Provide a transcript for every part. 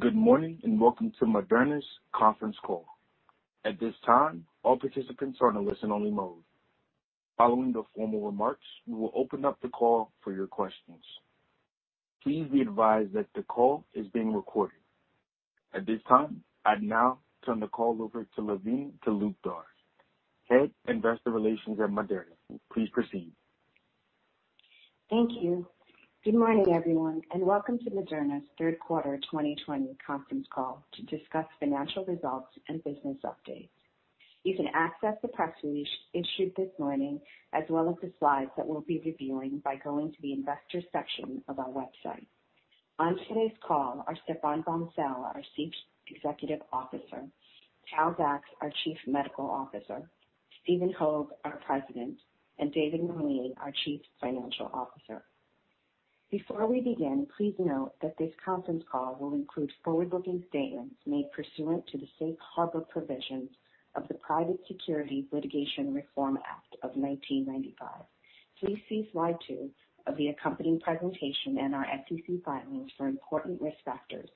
Good morning, welcome to Moderna's conference call. At this time, all participants are in a listen-only mode. Following the formal remarks, we will open up the call for your questions. Please be advised that the call is being recorded. At this time, I'd now turn the call over to Lavina Talukdar, Head of Investor Relations at Moderna. Please proceed. Thank you. Good morning, everyone, and welcome to Moderna's third quarter 2020 conference call to discuss financial results and business updates. You can access the press release issued this morning, as well as the slides that we'll be reviewing, by going to the investors section of our website. On today's call are Stéphane Bancel, our Chief Executive Officer, Tal Zaks, our Chief Medical Officer, Stephen Hoge, our President, and David Meline, our Chief Financial Officer. Before we begin, please note that this conference call will include forward-looking statements made pursuant to the Safe Harbor provisions of the Private Securities Litigation Reform Act of 1995. Please see slide two of the accompanying presentation and our SEC filings for important risk factors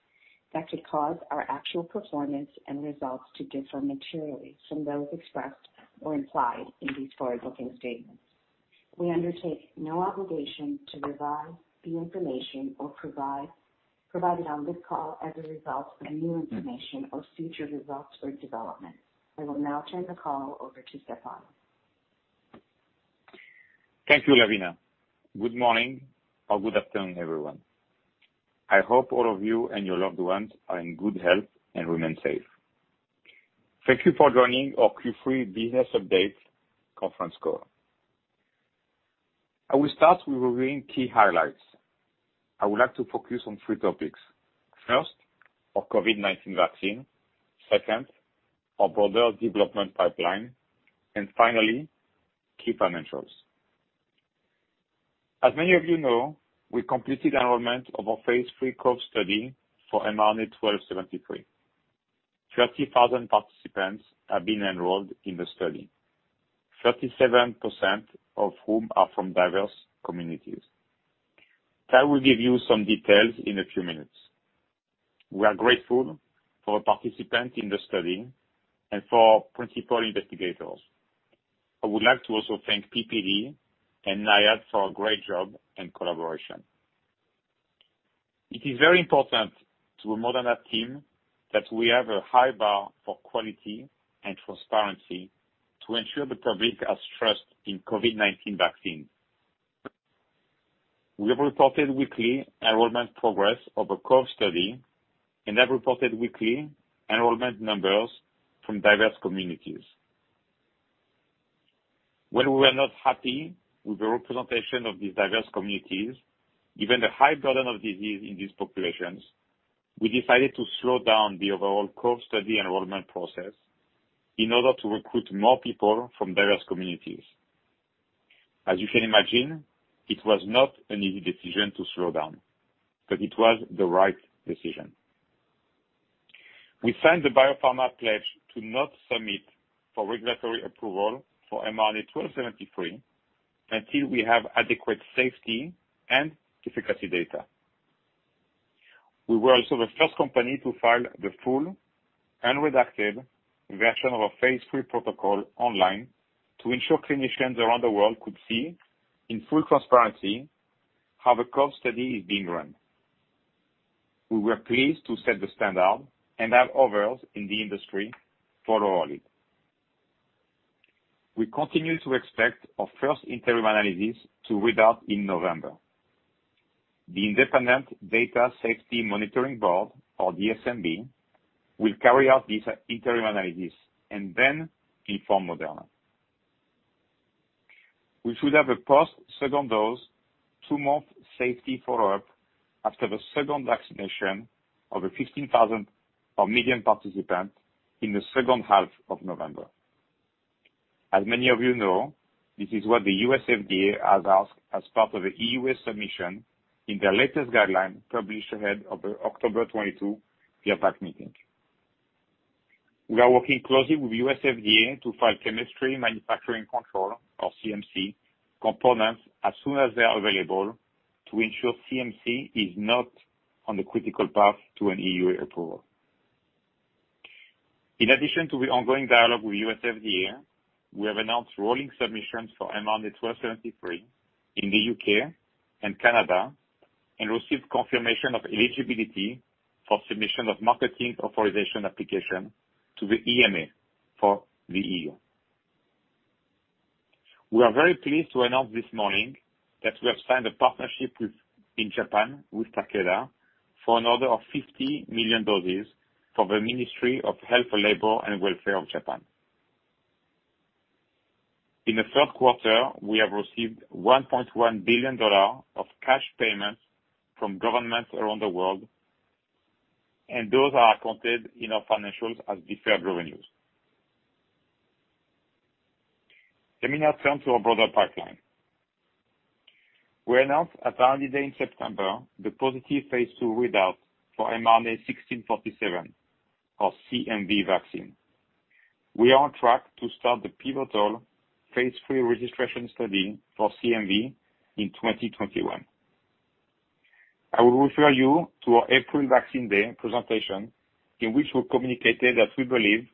that could cause our actual performance and results to differ materially from those expressed or implied in these forward-looking statements. We undertake no obligation to revise the information provided on this call as a result of any new information or future results or developments. I will now turn the call over to Stéphane. Thank you, Lavina. Good morning or good afternoon, everyone. I hope all of you and your loved ones are in good health and remain safe. Thank you for joining our Q3 business update conference call. I will start with reviewing key highlights. I would like to focus on three topics. First, our COVID-19 vaccine. Second, our broader development pipeline. Finally, key financials. As many of you know, we completed enrollment of our phase III COVE study for mRNA-1273. 30,000 participants have been enrolled in the study, 37% of whom are from diverse communities. Tal will give you some details in a few minutes. We are grateful for the participants in the study and for our principal investigators. I would like to also thank PPD and NIAID for a great job and collaboration. It is very important to the Moderna team that we have a high bar for quality and transparency to ensure the public has trust in COVID-19 vaccines. We have reported weekly enrollment progress of our COVE study and have reported weekly enrollment numbers from diverse communities. When we were not happy with the representation of these diverse communities, given the high burden of disease in these populations, we decided to slow down the overall COVE study enrollment process in order to recruit more people from diverse communities. As you can imagine, it was not an easy decision to slow down, but it was the right decision. We signed the Biopharma Pledge to not submit for regulatory approval for mRNA-1273 until we have adequate safety and efficacy data. We were also the first company to file the full, unredacted version of our phase III protocol online to ensure clinicians around the world could see, in full transparency, how the COVE study is being run. We were pleased to set the standard and have others in the industry follow it. We continue to expect our first interim analysis to read out in November. The independent Data Safety Monitoring Board, or DSMB, will carry out this interim analysis and then inform Moderna. We should have a post second dose two-month safety follow-up after the second vaccination of 1 million participants in the second half of November. As many of you know, this is what the U.S. FDA has asked as part of the EUA submission in their latest guideline published ahead of the October 22 VRBPAC meeting. We are working closely with the U.S. FDA to file chemistry manufacturing control, or CMC, components as soon as they are available to ensure CMC is not on the critical path to an EUA approval. In addition to the ongoing dialogue with U.S. FDA, we have announced rolling submissions for mRNA-1273 in the U.K. and Canada and received confirmation of eligibility for submission of marketing authorization application to the EMA for the EU. We are very pleased to announce this morning that we have signed a partnership in Japan with Takeda for an order of 50 million doses for the Ministry of Health, Labour and Welfare of Japan. In the third quarter, we have received $1.1 billion of cash payments from governments around the world. Those are accounted in our financials as deferred revenues. Let me now turn to our broader pipeline. We announced at R&D Day in September the positive phase II readouts for mRNA-1647, our CMV vaccine. We are on track to start the pivotal phase III registration study for CMV in 2021. I will refer you to our April Vaccine Day presentation, in which we communicated that we believe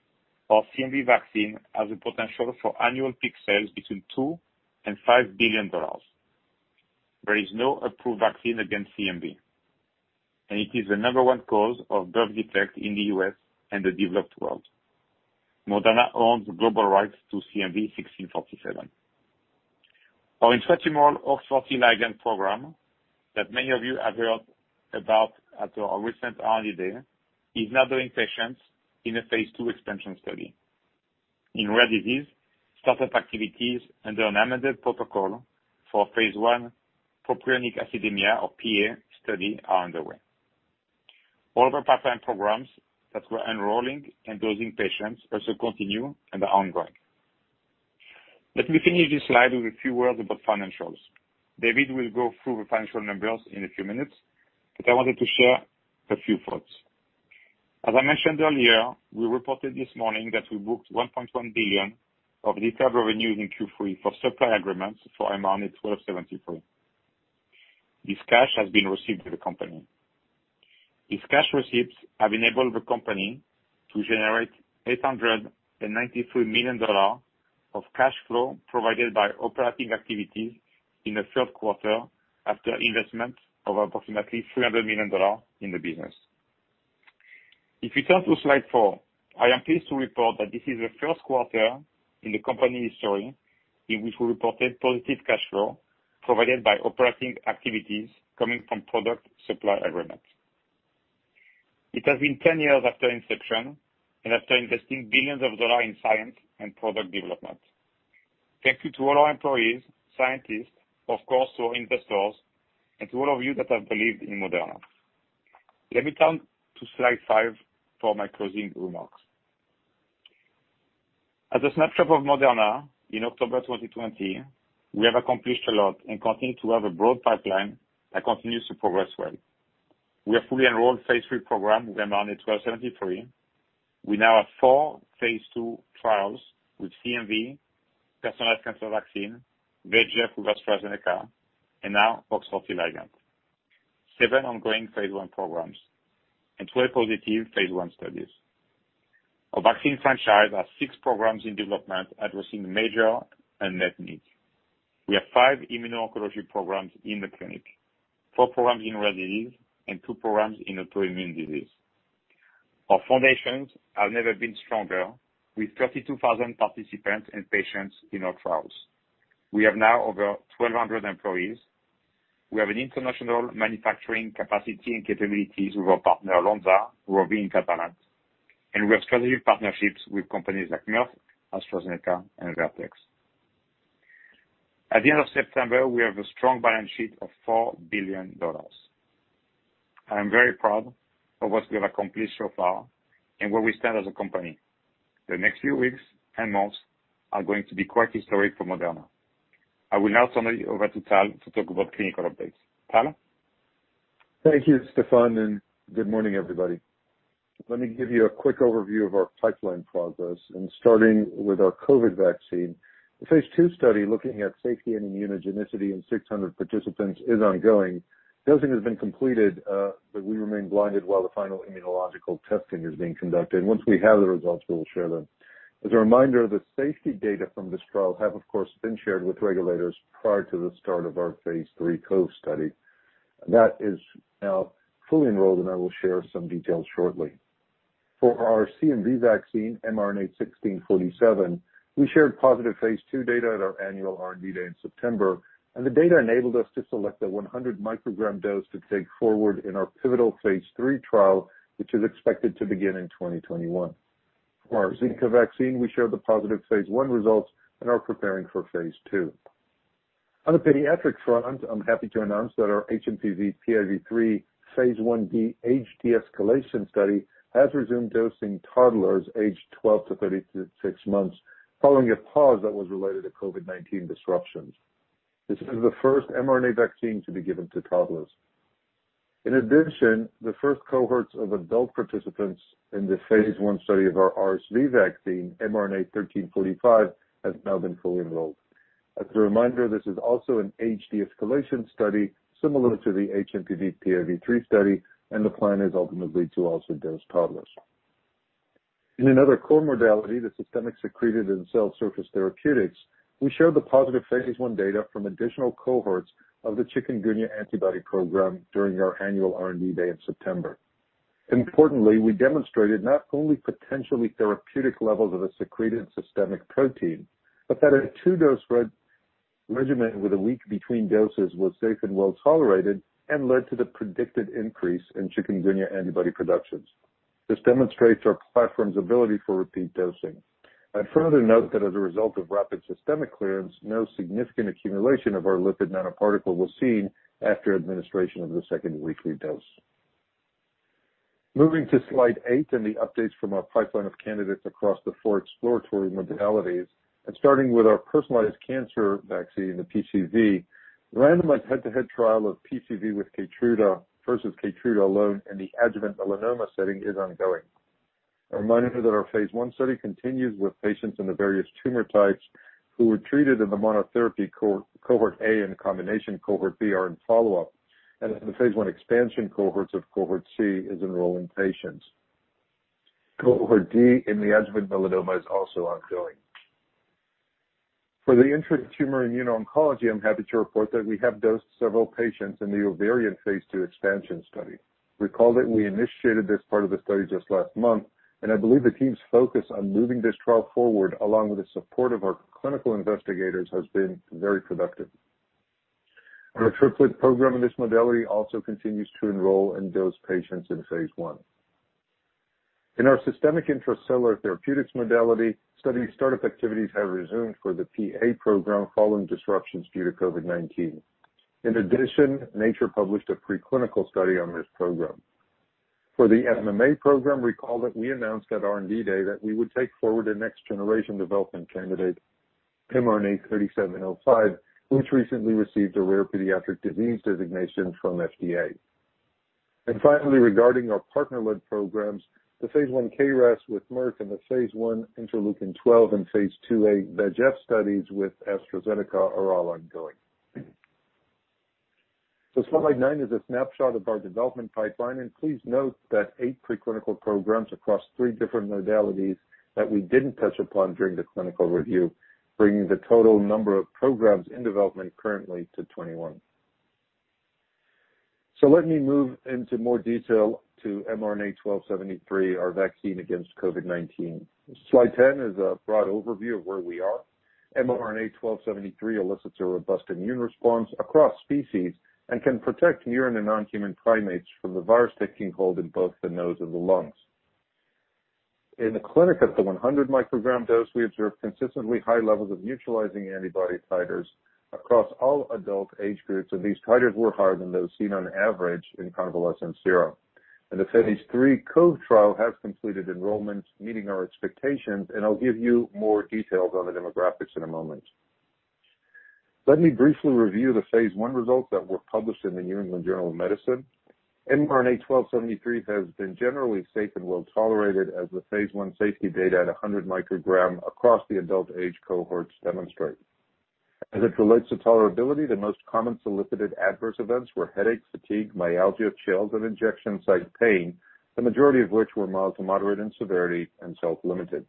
our CMV vaccine has the potential for annual peak sales between $2 billion and $5 billion. There is no approved vaccine against CMV. It is the number one cause of birth defects in the U.S. and the developed world. Moderna owns global rights to mRNA-1647. Our investigational OX40 ligand program, that many of you have heard about at our recent R&D Day, is now in patients in a phase II expansion study. In rare disease, startup activities under an amended protocol for phase I propionic acidemia or PA study are underway. All of our pipeline programs that were enrolling and dosing patients also continue and are ongoing. Let me finish this slide with a few words about financials. David will go through the financial numbers in a few minutes, but I wanted to share a few thoughts. As I mentioned earlier, we reported this morning that we booked $1.1 billion of deferred revenues in Q3 for supply agreements for mRNA-1273. This cash has been received by the company. These cash receipts have enabled the company to generate $893 million of cash flow provided by operating activities in the third quarter, after investment of approximately $300 million in the business. If we turn to slide four, I am pleased to report that this is the first quarter in the company's history in which we reported positive cash flow provided by operating activities coming from product supply agreements. It has been 10 years after inception and after investing billions of dollars in science and product development. Thank you to all our employees, scientists, of course, our investors, and to all of you that have believed in Moderna. Let me turn to slide five for my closing remarks. As a snapshot of Moderna in October 2020, we have accomplished a lot and continue to have a broad pipeline that continues to progress well. We have fully enrolled phase III program with mRNA-1273. We now have four phase II trials with CMV, personalized cancer vaccine, VEGF with AstraZeneca, and now OX40 ligand. Seven ongoing phase I programs and 12 positive phase I studies. Our vaccine franchise has six programs in development addressing major unmet needs. We have five immuno-oncology programs in the clinic, four programs in rare disease, and two programs in autoimmune disease. Our foundations have never been stronger, with 32,000 participants and patients in our trials. We have now over 1,200 employees. We have an international manufacturing capacity and capabilities with our partner, Lonza, who will be in Catalent, and we have strategic partnerships with companies like Merck, AstraZeneca, and Vertex. At the end of September, we have a strong balance sheet of $4 billion. I am very proud of what we have accomplished so far and where we stand as a company. The next few weeks and months are going to be quite historic for Moderna. I will now turn it over to Tal to talk about clinical updates. Tal? Thank you, Stéphane. Good morning, everybody. Let me give you a quick overview of our pipeline progress, starting with our COVID vaccine. The phase II study looking at safety and immunogenicity in 600 participants is ongoing. Dosing has been completed. We remain blinded while the final immunological testing is being conducted. Once we have the results, we will share them. As a reminder, the safety data from this trial have, of course, been shared with regulators prior to the start of our phase III COVE study. That is now fully enrolled. I will share some details shortly. For our CMV vaccine, mRNA-1647, we shared positive phase II data at our annual R&D Day in September. The data enabled us to select a 100 microgram dose to take forward in our pivotal phase III trial, which is expected to begin in 2021. For our Zika vaccine, we showed the positive phase I results and are preparing for phase II. On the pediatric front, I'm happy to announce that our hMPV/PIV3 phase I-B HD escalation study has resumed dosing toddlers aged 12 to 36 months, following a pause that was related to COVID-19 disruptions. This is the first mRNA vaccine to be given to toddlers. The first cohorts of adult participants in the phase I study of our RSV vaccine, mRNA-1345, has now been fully enrolled. As a reminder, this is also an HD escalation study similar to the hMPV/PIV3 study, the plan is ultimately to also dose toddlers. In another core modality, the systemic secreted and cell surface therapeutics, we showed the positive phase I data from additional cohorts of the chikungunya antibody program during our annual R&D Day in September. Importantly, we demonstrated not only potentially therapeutic levels of a secreted systemic protein, but that a two-dose regimen with a week between doses was safe and well-tolerated and led to the predicted increase in chikungunya antibody productions. This demonstrates our platform's ability for repeat dosing. I'd further note that as a result of rapid systemic clearance, no significant accumulation of our lipid nanoparticle was seen after administration of the second weekly dose. Moving to slide eight and the updates from our pipeline of candidates across the four exploratory modalities, and starting with our personalized cancer vaccine, the PCV, the randomized head-to-head trial of PCV with KEYTRUDA versus KEYTRUDA alone in the adjuvant melanoma setting is ongoing. A reminder that our phase I study continues with patients in the various tumor types who were treated in the monotherapy cohort A and the combination cohort B are in follow-up. The phase I expansion cohorts of Cohort C is enrolling patients. Cohort D in the adjuvant melanoma is also ongoing. For the intratumoral immuno-oncology, I'm happy to report that we have dosed several patients in the ovarian phase II expansion study. Recall that we initiated this part of the study just last month, and I believe the team's focus on moving this trial forward, along with the support of our clinical investigators, has been very productive. Our triplet program in this modality also continues to enroll and dose patients in phase I. In our systemic intracellular therapeutics modality, study startup activities have resumed for the PA program following disruptions due to COVID-19. In addition, Nature published a preclinical study on this program. For the MMA program, recall that we announced at R&D Day that we would take forward a next-generation development candidate, mRNA-1273, which recently received a rare pediatric disease designation from FDA. Finally, regarding our partner-led programs, the phase I KRAS with Merck and the phase I interleukin-12 and phase II-A VEGF studies with AstraZeneca are all ongoing. Slide nine is a snapshot of our development pipeline, and please note that eight preclinical programs across three different modalities that we didn't touch upon during the clinical review, bringing the total number of programs in development currently to 21. Let me move into more detail to mRNA-1273, our vaccine against COVID-19. Slide 10 is a broad overview of where we are. mRNA-1273 elicits a robust immune response across species and can protect murine and non-human primates from the virus taking hold in both the nose and the lungs. In the clinic, at the 100 microgram dose, we observed consistently high levels of neutralizing antibody titers across all adult age groups. These titers were higher than those seen on average in convalescent sera. The phase III COVE trial has completed enrollment, meeting our expectations, and I'll give you more details on the demographics in a moment. Let me briefly review the phase I results that were published in the New England Journal of Medicine. mRNA-1273 has been generally safe and well-tolerated as the phase I safety data at 100 microgram across the adult age cohorts demonstrate. As it relates to tolerability, the most common solicited adverse events were headaches, fatigue, myalgia, chills, and injection site pain, the majority of which were mild to moderate in severity and self-limited.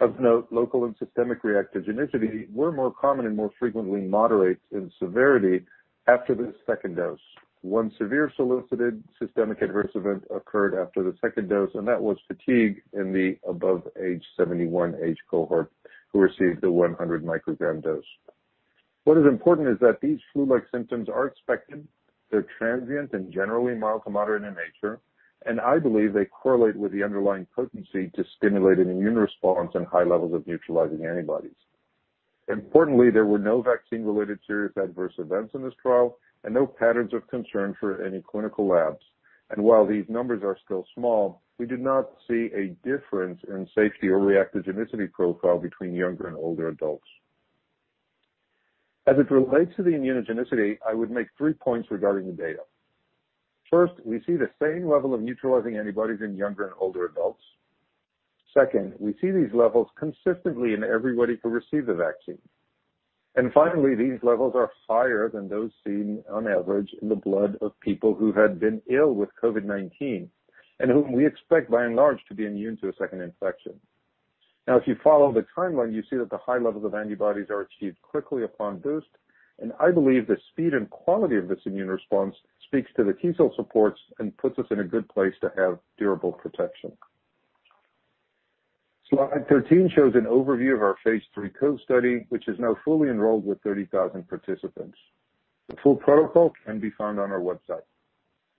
Of note, local and systemic reactogenicity were more common and more frequently moderate in severity after the second dose. One severe solicited systemic adverse event occurred after the second dose, and that was fatigue in the above age 71 cohort who received the 100 microgram dose. What is important is that these flu-like symptoms are expected, they're transient and generally mild to moderate in nature, and I believe they correlate with the underlying potency to stimulate an immune response and high levels of neutralizing antibodies. Importantly, there were no vaccine-related serious adverse events in this trial and no patterns of concern for any clinical labs. While these numbers are still small, we did not see a difference in safety or reactogenicity profile between younger and older adults. As it relates to the immunogenicity, I would make three points regarding the data. First, we see the same level of neutralizing antibodies in younger and older adults. Second, we see these levels consistently in everybody who received the vaccine. Finally, these levels are higher than those seen on average in the blood of people who had been ill with COVID-19 and whom we expect, by and large, to be immune to a second infection. If you follow the timeline, you see that the high levels of antibodies are achieved quickly upon boost, and I believe the speed and quality of this immune response speaks to the T-cell supports and puts us in a good place to have durable protection. Slide 13 shows an overview of our phase III COVE study, which is now fully enrolled with 30,000 participants. The full protocol can be found on our website.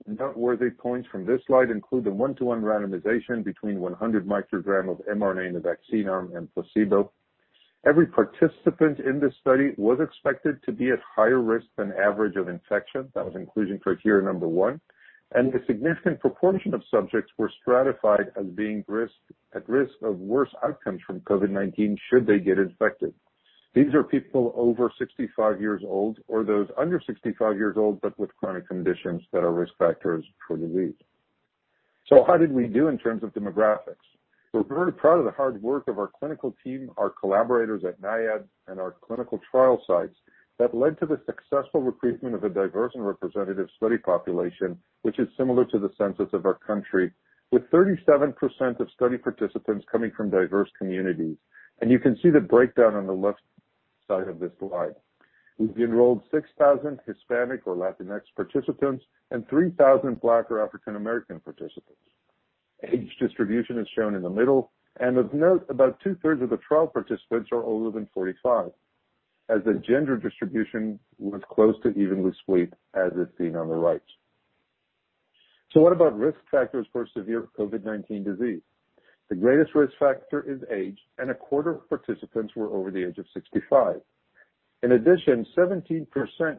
Noteworthy points from this slide include the 1-to-1 randomization between 100 microgram of mRNA in the vaccine arm and placebo. Every participant in this study was expected to be at higher risk than average of infection. That was inclusion criteria number one. A significant proportion of subjects were stratified as being at risk of worse outcomes from COVID-19, should they get infected. These are people over 65 years old or those under 65 years old, but with chronic conditions that are risk factors for the disease. How did we do in terms of demographics? We're very proud of the hard work of our clinical team, our collaborators at NIAID, and our clinical trial sites that led to the successful recruitment of a diverse and representative study population, which is similar to the census of our country, with 37% of study participants coming from diverse communities. You can see the breakdown on the left side of this slide. We've enrolled 6,000 Hispanic or Latinx participants and 3,000 Black or African American participants. Age distribution is shown in the middle. Of note, about two-thirds of the trial participants are older than 45, as the gender distribution was close to evenly split, as is seen on the right. What about risk factors for severe COVID-19 disease? The greatest risk factor is age. A quarter of participants were over the age of 65. In addition, 17%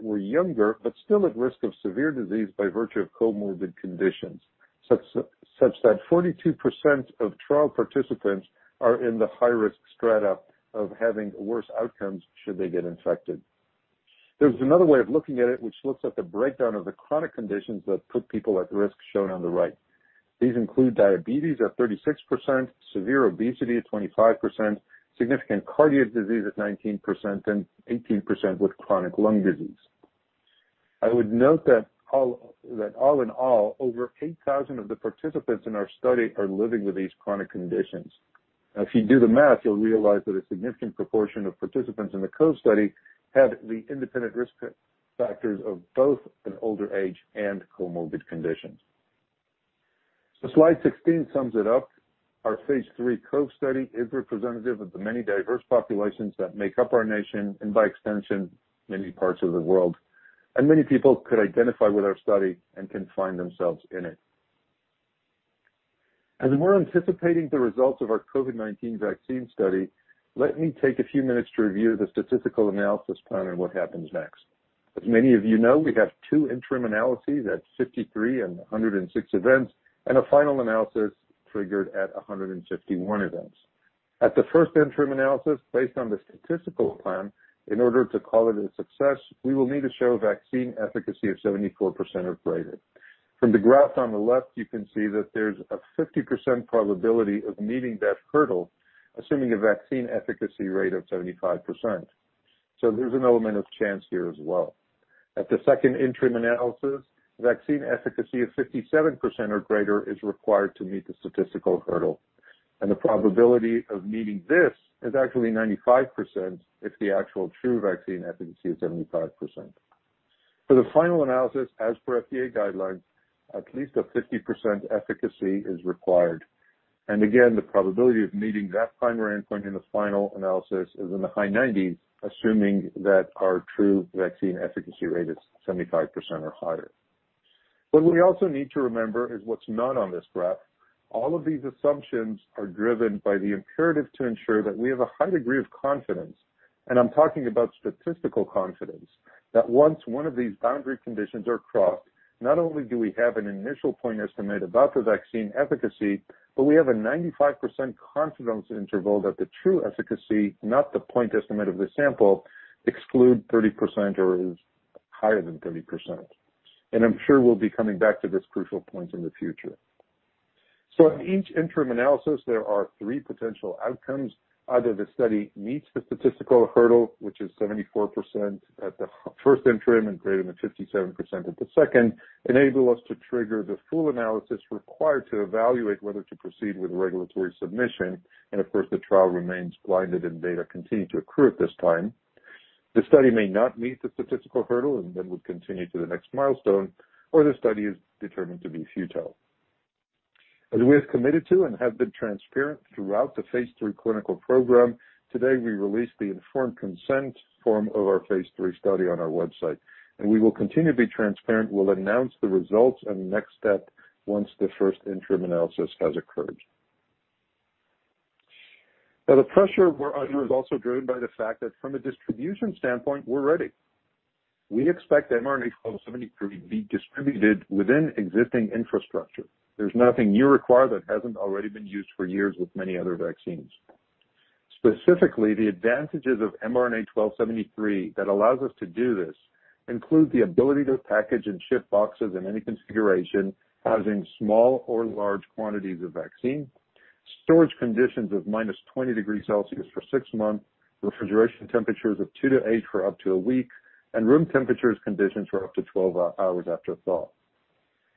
were younger but still at risk of severe disease by virtue of comorbid conditions, such that 42% of trial participants are in the high-risk strata of having worse outcomes should they get infected. There's another way of looking at it, which looks at the breakdown of the chronic conditions that put people at risk, shown on the right. These include diabetes at 36%, severe obesity at 25%, significant cardiac disease at 19%, and 18% with chronic lung disease. I would note that all in all, over 8,000 of the participants in our study are living with these chronic conditions. If you do the math, you'll realize that a significant proportion of participants in the COVE study had the independent risk factors of both an older age and comorbid conditions. Slide 16 sums it up. Our phase III COVE study is representative of the many diverse populations that make up our nation and, by extension, many parts of the world, and many people could identify with our study and can find themselves in it. As we're anticipating the results of our COVID-19 vaccine study, let me take a few minutes to review the statistical analysis plan and what happens next. As many of you know, we have two interim analyses at 53 and 106 events, and a final analysis triggered at 151 events. At the first interim analysis, based on the statistical plan, in order to call it a success, we will need to show vaccine efficacy of 74% or greater. From the graph on the left, you can see that there's a 50% probability of meeting that hurdle, assuming a vaccine efficacy rate of 75%. There's an element of chance here as well. At the second interim analysis, vaccine efficacy of 57% or greater is required to meet the statistical hurdle, and the probability of meeting this is actually 95% if the actual true vaccine efficacy is 75%. For the final analysis, as per FDA guidelines, at least a 50% efficacy is required. Again, the probability of meeting that primary endpoint in the final analysis is in the high 90s, assuming that our true vaccine efficacy rate is 75% or higher. What we also need to remember is what's not on this graph. All of these assumptions are driven by the imperative to ensure that we have a high degree of confidence. I'm talking about statistical confidence, that once one of these boundary conditions are crossed, not only do we have an initial point estimate about the vaccine efficacy, but we have a 95% confidence interval that the true efficacy, not the point estimate of the sample, exclude 30% or is higher than 30%. I'm sure we'll be coming back to this crucial point in the future. In each interim analysis, there are three potential outcomes. Either the study meets the statistical hurdle, which is 74% at the first interim and greater than 57% at the second, enable us to trigger the full analysis required to evaluate whether to proceed with regulatory submission. Of course, the trial remains blinded and data continue to accrue at this time. The study may not meet the statistical hurdle and then would continue to the next milestone, or the study is determined to be futile. As we have committed to and have been transparent throughout the phase III clinical program, today, we released the informed consent form of our phase III study on our website, and we will continue to be transparent. We'll announce the results and next step once the first interim analysis has occurred. Now, the pressure we're under is also driven by the fact that from a distribution standpoint, we're ready. We expect mRNA-1273 to be distributed within existing infrastructure. There's nothing new required that hasn't already been used for years with many other vaccines. Specifically, the advantages of mRNA-1273 that allows us to do this include the ability to package and ship boxes in any configuration, housing small or large quantities of vaccine, storage conditions of minus 20 degrees Celsius for six months, refrigeration temperatures of two to eight for up to a week, and room temperatures conditions for up to 12 hours after thaw.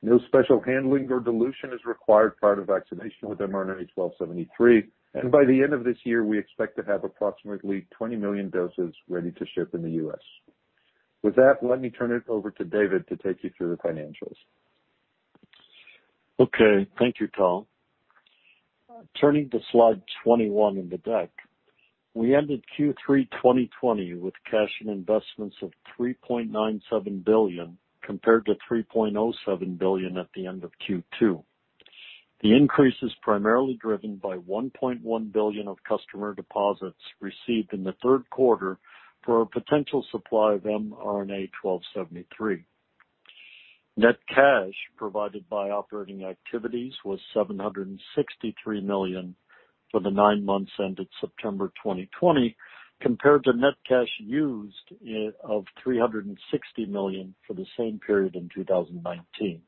No special handling or dilution is required prior to vaccination with mRNA-1273, and by the end of this year, we expect to have approximately 20 million doses ready to ship in the U.S. With that, let me turn it over to David to take you through the financials. Okay. Thank you, Tal. Turning to slide 21 in the deck. We ended Q3 2020 with cash and investments of $3.97 billion, compared to $3.07 billion at the end of Q2. The increase is primarily driven by $1.1 billion of customer deposits received in the third quarter for a potential supply of mRNA-1273. Net cash provided by operating activities was $763 million for the nine months ended September 2020, compared to net cash used of $360 million for the same period in 2019.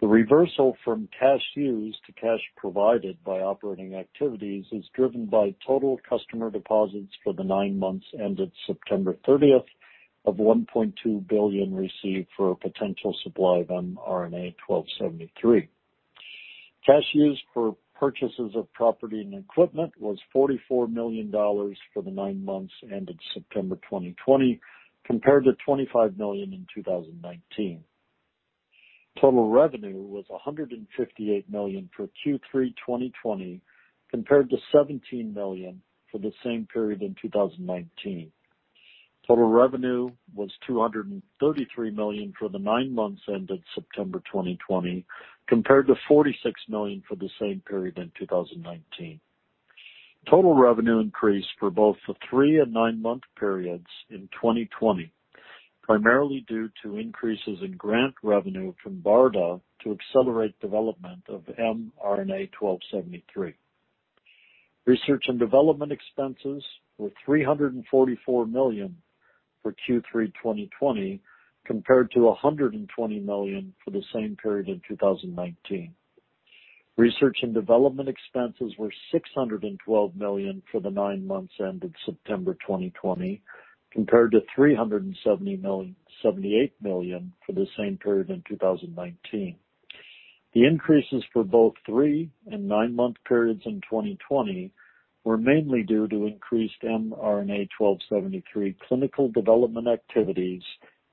The reversal from cash used to cash provided by operating activities is driven by total customer deposits for the nine months ended September 30th of $1.2 billion received for a potential supply of mRNA-1273. Cash used for purchases of property and equipment was $44 million for the nine months ended September 2020, compared to $25 million in 2019. Total revenue was $158 million for Q3 2020, compared to $17 million for the same period in 2019. Total revenue was $233 million for the nine months ended September 2020, compared to $46 million for the same period in 2019. Total revenue increased for both the three- and nine-month periods in 2020, primarily due to increases in grant revenue from BARDA to accelerate development of mRNA-1273. Research and development expenses were $344 million for Q3 2020, compared to $120 million for the same period in 2019. Research and development expenses were $612 million for the nine months ended September 2020, compared to $378 million for the same period in 2019. The increases for both three and nine-month periods in 2020 were mainly due to increased mRNA-1273 clinical development activities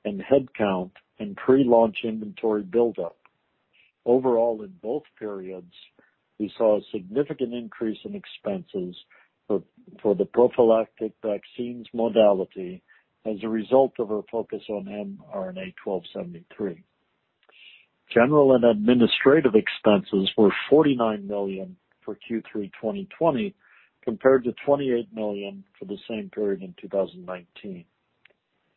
and head count, and pre-launch inventory buildup. Overall, in both periods, we saw a significant increase in expenses for the prophylactic vaccines modality as a result of our focus on mRNA-1273. General and administrative expenses were $49 million for Q3 2020, compared to $28 million for the same period in 2019.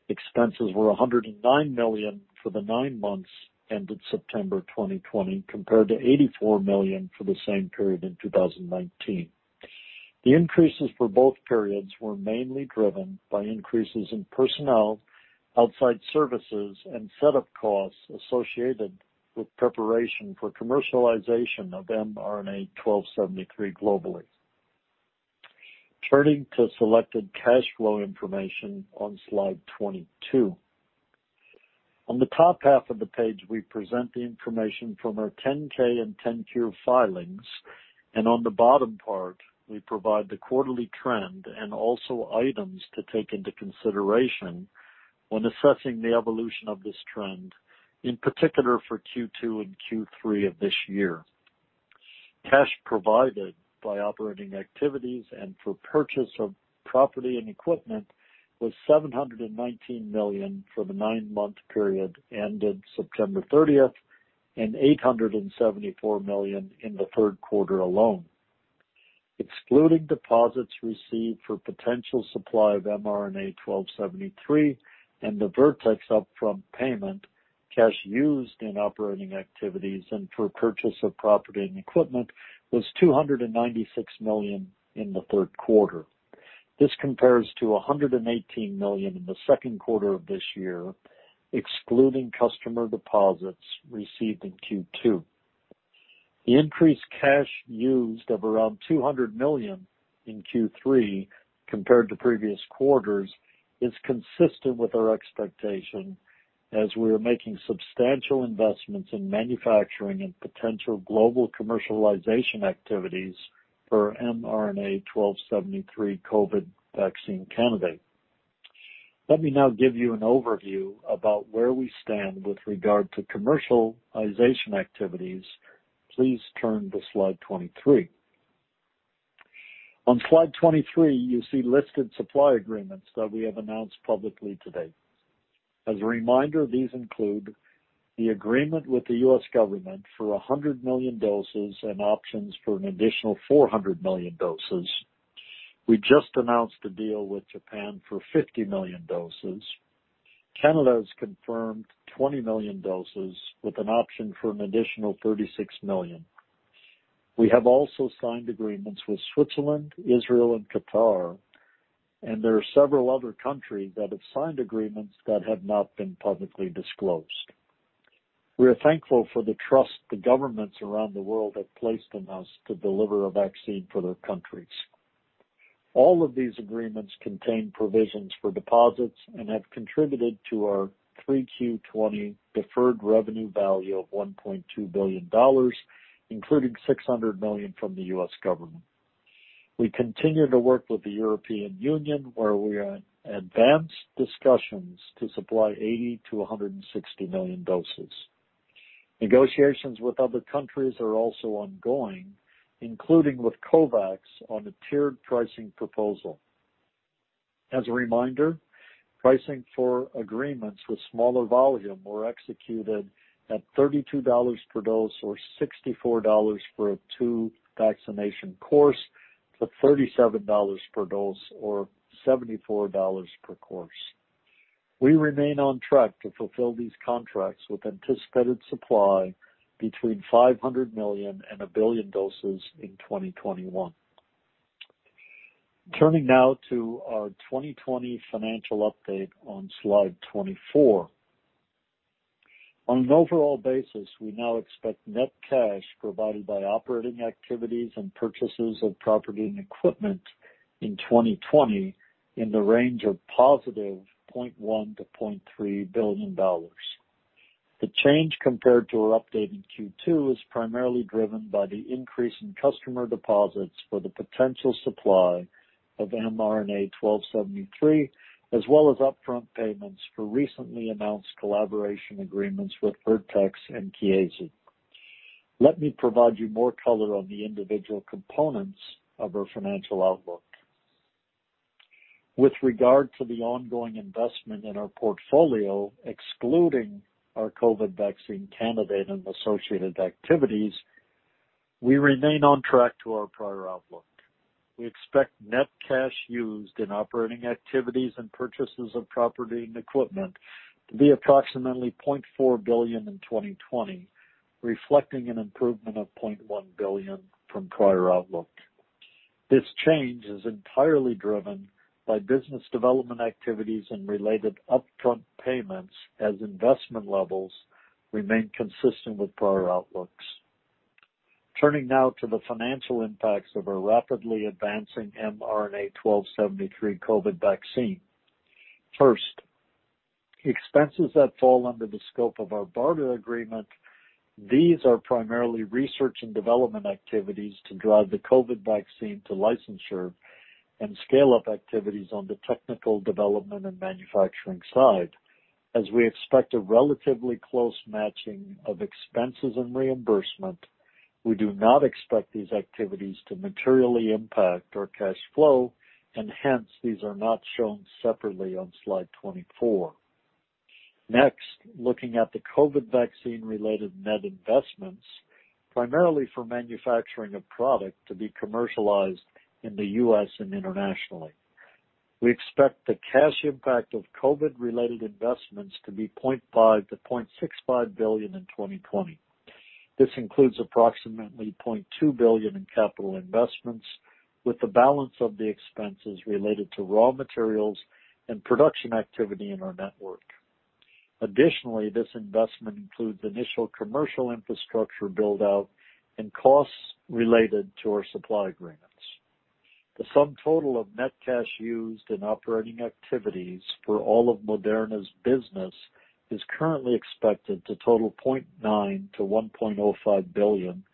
Expenses were $109 million for the nine months ended September 2020, compared to $84 million for the same period in 2019. The increases for both periods were mainly driven by increases in personnel, outside services, and set-up costs associated with preparation for commercialization of mRNA-1273 globally. Turning to selected cash flow information on slide 22. On the top half of the page, we present the information from our 10-K and 10-Q filings, and on the bottom part, we provide the quarterly trend and also items to take into consideration when assessing the evolution of this trend, in particular for Q2 and Q3 of this year. Cash provided by operating activities and for purchase of property and equipment was $719 million for the nine-month period ended September 30th, and $874 million in the third quarter alone. Excluding deposits received for potential supply of mRNA-1273 and the Vertex upfront payment, cash used in operating activities and for purchase of property and equipment was $296 million in the third quarter. This compares to $118 million in the second quarter of this year, excluding customer deposits received in Q2. The increased cash used of around $200 million in Q3 compared to previous quarters is consistent with our expectation as we are making substantial investments in manufacturing and potential global commercialization activities for mRNA-1273 COVID vaccine candidate. Let me now give you an overview about where we stand with regard to commercialization activities. Please turn to slide 23. On slide 23, you see listed supply agreements that we have announced publicly to date. As a reminder, these include the agreement with the U.S. government for 100 million doses and options for an additional 400 million doses. We just announced a deal with Japan for 50 million doses. Canada has confirmed 20 million doses with an option for an additional 36 million. We have also signed agreements with Switzerland, Israel, and Qatar, and there are several other countries that have signed agreements that have not been publicly disclosed. We're thankful for the trust the governments around the world have placed in us to deliver a vaccine for their countries. All of these agreements contain provisions for deposits and have contributed to our 3Q 2020 deferred revenue value of $1.2 billion, including $600 million from the U.S. government. We continue to work with the European Union, where we are in advanced discussions to supply 80 million-160 million doses. Negotiations with other countries are also ongoing, including with COVAX on a tiered pricing proposal. As a reminder, pricing for agreements with smaller volume were executed at $32 per dose or $64 for a two-vaccination course to $37 per dose or $74 per course. We remain on track to fulfill these contracts with anticipated supply between 500 million and a billion doses in 2021. Turning now to our 2020 financial update on slide 24. On an overall basis, we now expect net cash provided by operating activities and purchases of property and equipment in 2020 in the range of positive $0.1 billion-$0.3 billion. The change compared to our update in Q2 is primarily driven by the increase in customer deposits for the potential supply of mRNA-1273, as well as upfront payments for recently announced collaboration agreements with Vertex and Chiesi. Let me provide you more color on the individual components of our financial outlook. With regard to the ongoing investment in our portfolio, excluding our COVID vaccine candidate and associated activities, we remain on track to our prior outlook. We expect net cash used in operating activities and purchases of property and equipment to be approximately $0.4 billion in 2020, reflecting an improvement of $0.1 billion from prior outlook. This change is entirely driven by business development activities and related upfront payments as investment levels remain consistent with prior outlooks. Turning now to the financial impacts of our rapidly advancing mRNA-1273 COVID vaccine. First, expenses that fall under the scope of our BARDA agreement, these are primarily research and development activities to drive the COVID vaccine to licensure and scale-up activities on the technical development and manufacturing side, as we expect a relatively close matching of expenses and reimbursement. We do not expect these activities to materially impact our cash flow, hence, these are not shown separately on slide 24. Next, looking at the COVID vaccine-related net investments, primarily for manufacturing of product to be commercialized in the U.S. and internationally. We expect the cash impact of COVID-related investments to be $0.5 billion-$0.65 billion in 2020. This includes approximately $0.2 billion in capital investments, with the balance of the expenses related to raw materials and production activity in our network. Additionally, this investment includes initial commercial infrastructure build-out and costs related to our supply agreements. The subtotal of net cash used in operating activities for all of Moderna's business is currently expected to total $0.9 billion-$1.05 billion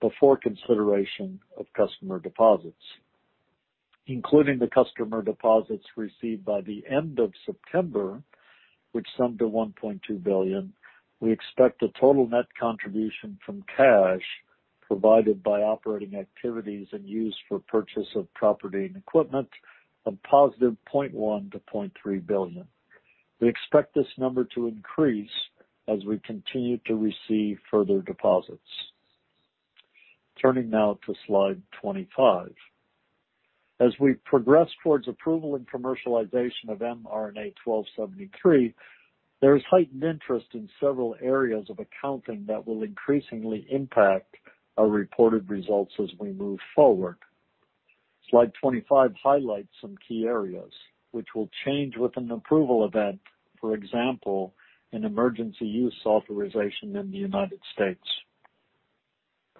before consideration of customer deposits. Including the customer deposits received by the end of September, which summed to $1.2 billion, we expect a total net contribution from cash provided by operating activities and use for purchase of property and equipment of positive $0.1 billion-$0.3 billion. We expect this number to increase as we continue to receive further deposits. Turning now to slide 25. As we progress towards approval and commercialization of mRNA-1273, there is heightened interest in several areas of accounting that will increasingly impact our reported results as we move forward. Slide 25 highlights some key areas, which will change with an approval event, for example, an emergency use authorization in the U.S.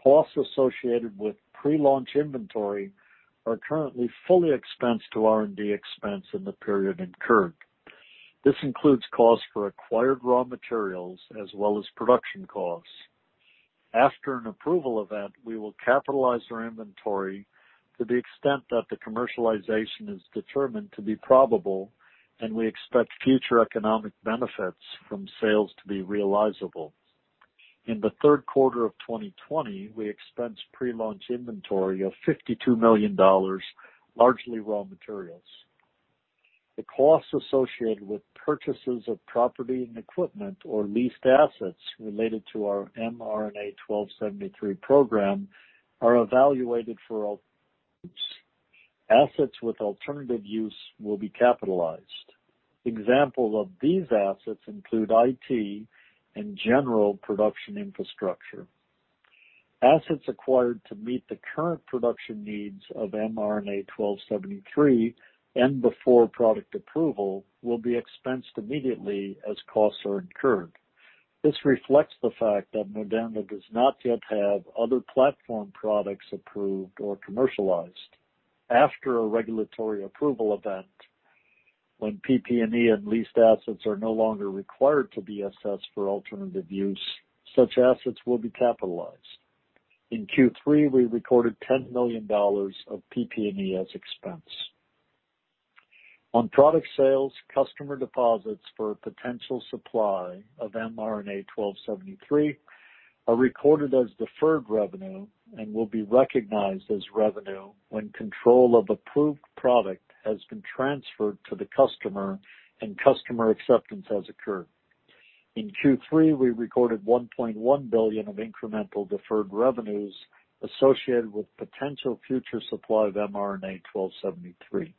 Costs associated with pre-launch inventory are currently fully expensed to R&D expense in the period incurred. This includes costs for acquired raw materials as well as production costs. After an approval event, we will capitalize our inventory to the extent that the commercialization is determined to be probable, and we expect future economic benefits from sales to be realizable. In the third quarter of 2020, we expensed pre-launch inventory of $52 million, largely raw materials. The costs associated with purchases of property and equipment or leased assets related to our mRNA-1273 program are evaluated for all groups. Assets with alternative use will be capitalized. Examples of these assets include IT and general production infrastructure. Assets acquired to meet the current production needs of mRNA-1273 and before product approval will be expensed immediately as costs are incurred. This reflects the fact that Moderna does not yet have other platform products approved or commercialized. After a regulatory approval event, when PP&E and leased assets are no longer required to be assessed for alternative use, such assets will be capitalized. In Q3, we recorded $10 million of PP&E as expense. On product sales, customer deposits for potential supply of mRNA-1273 are recorded as deferred revenue and will be recognized as revenue when control of approved product has been transferred to the customer and customer acceptance has occurred. In Q3, we recorded $1.1 billion of incremental deferred revenues associated with potential future supply of mRNA-1273.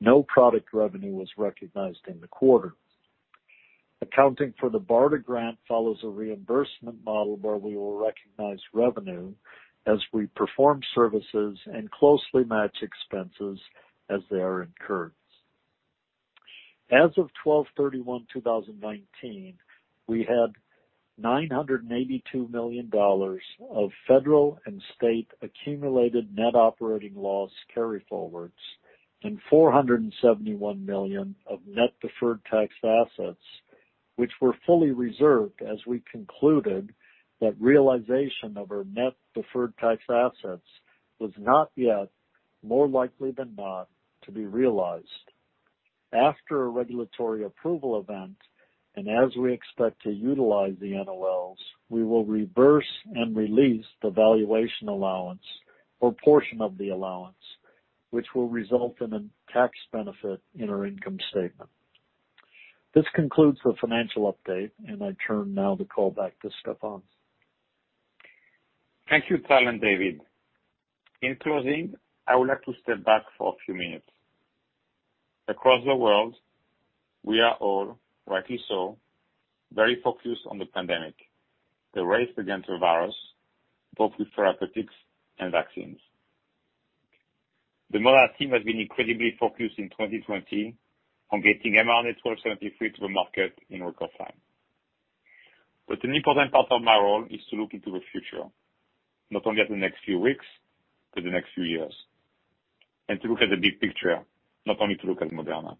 No product revenue was recognized in the quarter. Accounting for the BARDA grant follows a reimbursement model where we will recognize revenue as we perform services and closely match expenses as they are incurred. As of 12/31/2019, we had $982 million of federal and state accumulated net operating loss carryforwards and $471 million of net deferred tax assets, which were fully reserved as we concluded that realization of our net deferred tax assets was not yet more likely than not to be realized. After a regulatory approval event, and as we expect to utilize the NOLs, we will reverse and release the valuation allowance or portion of the allowance, which will result in a tax benefit in our income statement. This concludes the financial update, and I turn now the call back to Stéphane. Thank you, Tal and David. In closing, I would like to step back for a few minutes. Across the world, we are all, rightly so, very focused on the pandemic, the race against the virus, both with therapeutics and vaccines. The Moderna team has been incredibly focused in 2020 on getting mRNA-1273 to the market in record time. An important part of my role is to look into the future, not only at the next few weeks, but the next few years, and to look at the big picture, not only to look at Moderna.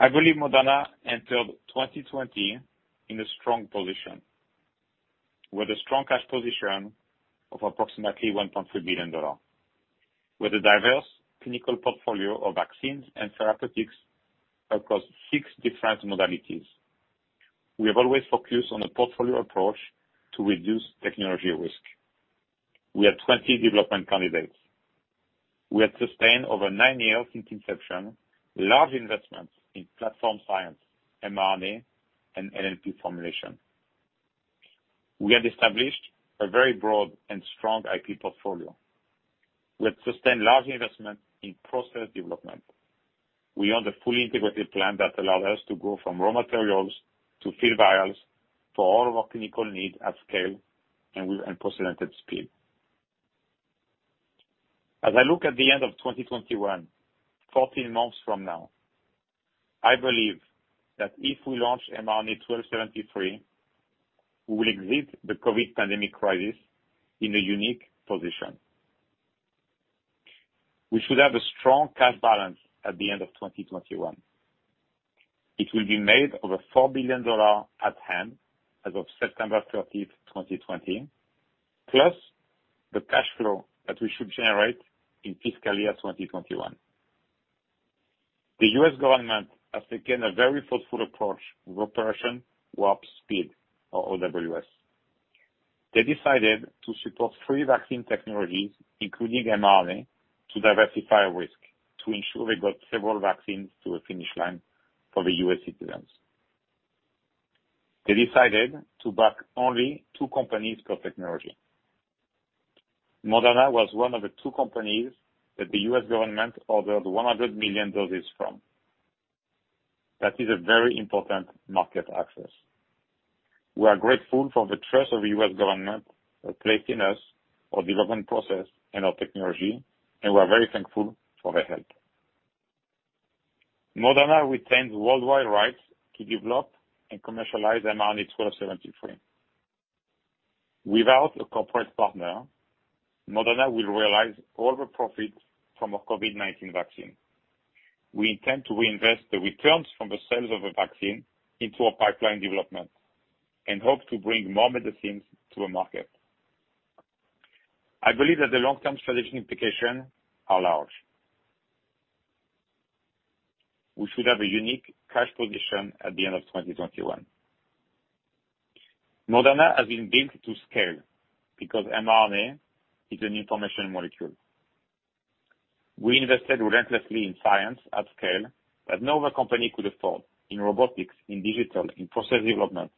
I believe Moderna entered 2020 in a strong position, with a strong cash position of approximately $1.3 billion, with a diverse clinical portfolio of vaccines and therapeutics across six different modalities. We have always focused on a portfolio approach to reduce technology risk. We have 20 development candidates. We have sustained over nine years since inception, large investments in platform science, mRNA, and LNP formulation. We have established a very broad and strong IP portfolio. We have sustained large investment in process development. We own the fully integrated plant that allowed us to go from raw materials to fill vials for all of our clinical needs at scale and with unprecedented speed. As I look at the end of 2021, 14 months from now, I believe that if we launch mRNA-1273, we will exit the COVID pandemic crisis in a unique position. We should have a strong cash balance at the end of 2021. It will be made of a $4 billion at hand as of September 30th, 2020, plus the cash flow that we should generate in fiscal year 2021. The U.S. government has taken a very thoughtful approach with Operation Warp Speed, or OWS. They decided to support three vaccine technologies, including mRNA, to diversify risk, to ensure they got several vaccines to a finish line for the U.S. citizens. They decided to back only two companies per technology. Moderna was one of the two companies that the U.S. government ordered 100 million doses from. That is a very important market access. We are grateful for the trust of the U.S. government who have placed in us, our development process, and our technology, and we're very thankful for their help. Moderna retains worldwide rights to develop and commercialize mRNA-1273. Without a corporate partner, Moderna will realize all the profit from a COVID-19 vaccine. We intend to reinvest the returns from the sales of a vaccine into our pipeline development and hope to bring more medicines to the market. I believe that the long-term strategic implications are large. We should have a unique cash position at the end of 2021. Moderna has been built to scale, because mRNA is an information molecule. We invested relentlessly in science at scale that no other company could afford, in robotics, in digital, in process development,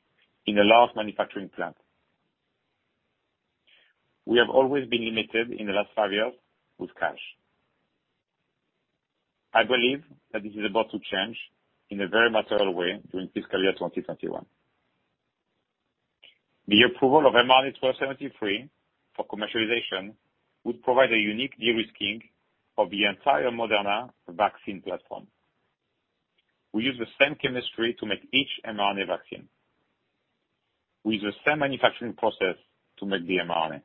in a large manufacturing plant. We have always been limited in the last five years with cash. I believe that this is about to change in a very material way during fiscal year 2021. The approval of mRNA-1273 for commercialization would provide a unique de-risking of the entire Moderna vaccine platform. We use the same chemistry to make each mRNA vaccine. We use the same manufacturing process to make the mRNA.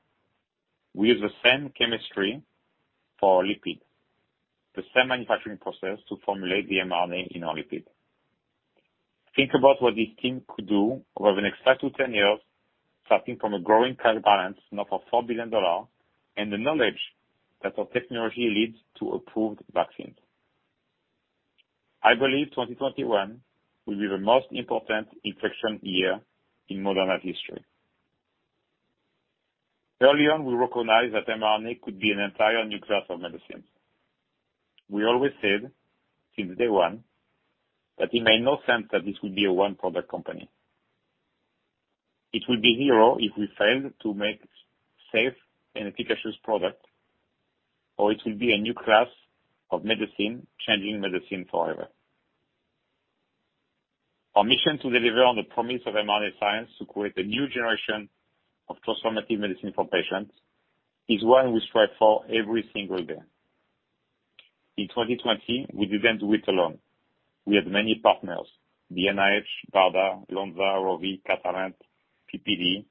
We use the same chemistry for lipid, the same manufacturing process to formulate the mRNA in our lipid. Think about what this team could do over the next five to 10 years, starting from a growing cash balance now of $4 billion, and the knowledge that our technology leads to approved vaccines. I believe 2021 will be the most important inflection year in Moderna history. Early on, we recognized that mRNA could be an entire new class of medicines. We always said, since day one, that it made no sense that this would be a one product company. It will be zero if we fail to make safe and efficacious product, or it will be a new class of medicine, changing medicine forever. Our mission to deliver on the promise of mRNA science to create a new generation of transformative medicine for patients is one we strive for every single day. In 2020, we didn't do it alone. We had many partners, the NIH, BARDA, Lonza, Rovi, Catalent, PPD,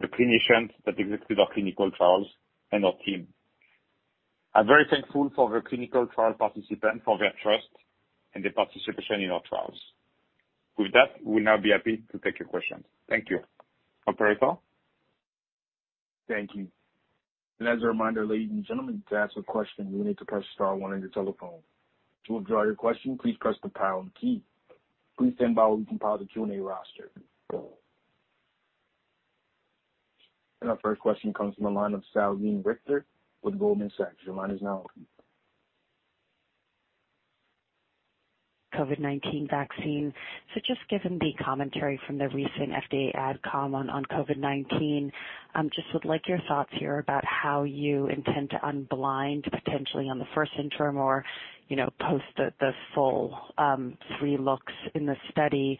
the clinicians that executed our clinical trials, and our team. I'm very thankful for the clinical trial participants for their trust and their participation in our trials. With that, we'll now be happy to take your questions. Thank you. Operator? Thank you. As a reminder, ladies and gentlemen, to ask a question, you will need to press star one on your telephone. To withdraw your question, please press the pound key. Please stand by while we compile the Q&A roster. Our first question comes from the line of Salveen Richter with Goldman Sachs. Your line is now open. COVID-19 vaccine. Just given the commentary from the recent FDA AdCom on COVID-19, just would like your thoughts here about how you intend to unblind potentially on the first interim or post the full three looks in the study.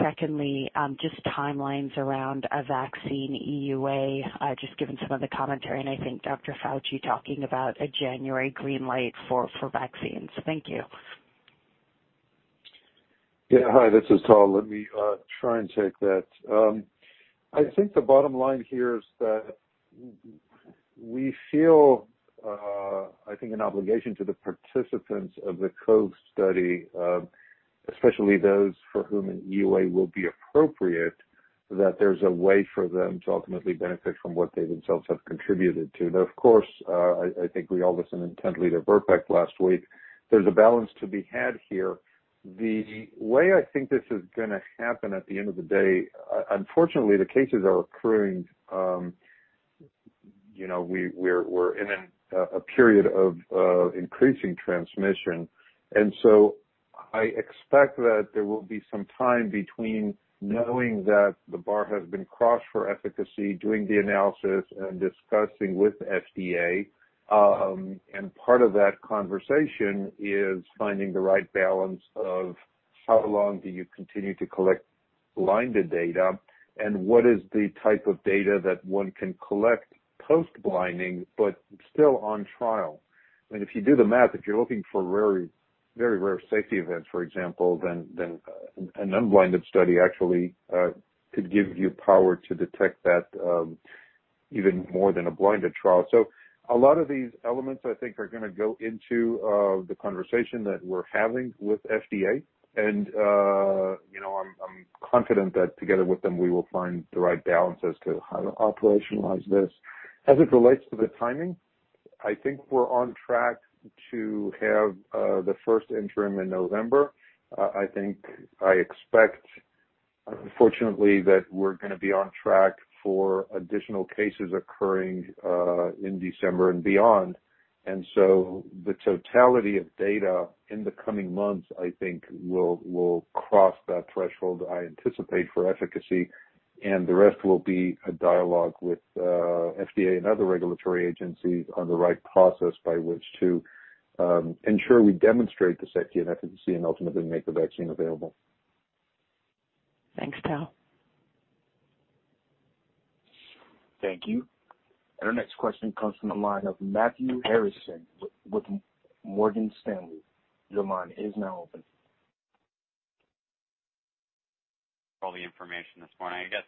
Secondly, just timelines around a vaccine EUA, just given some of the commentary, and I think Dr. Fauci talking about a January green light for vaccines. Thank you. Hi, this is Tal. Let me try and take that. I think the bottom line here is that we feel, I think, an obligation to the participants of the COVE study, especially those for whom an EUA will be appropriate, that there's a way for them to ultimately benefit from what they themselves have contributed to. Now, of course, I think we all listened intently to VRBPAC last week. There's a balance to be had here. The way I think this is going to happen at the end of the day, unfortunately, the cases are occurring. We're in a period of increasing transmission, I expect that there will be some time between knowing that the bar has been crossed for efficacy, doing the analysis, and discussing with FDA. Part of that conversation is finding the right balance of how long do you continue to collect blinded data and what is the type of data that one can collect post blinding, but still on trial. I mean, if you do the math, if you're looking for very rare safety events, for example, then an unblinded study actually could give you power to detect that even more than a blinded trial. A lot of these elements, I think, are going to go into the conversation that we're having with FDA. I'm confident that together with them, we will find the right balance as to how to operationalize this. As it relates to the timing, I think we're on track to have the first interim in November. I think I expect, unfortunately, that we're going to be on track for additional cases occurring in December and beyond. The totality of data in the coming months, I think, will cross that threshold I anticipate for efficacy, and the rest will be a dialogue with FDA and other regulatory agencies on the right process by which to ensure we demonstrate the safety and efficacy and ultimately make the vaccine available. Thanks, Tal. Thank you. Our next question comes from the line of Matthew Harrison with Morgan Stanley. Your line is now open. All the information this morning. I guess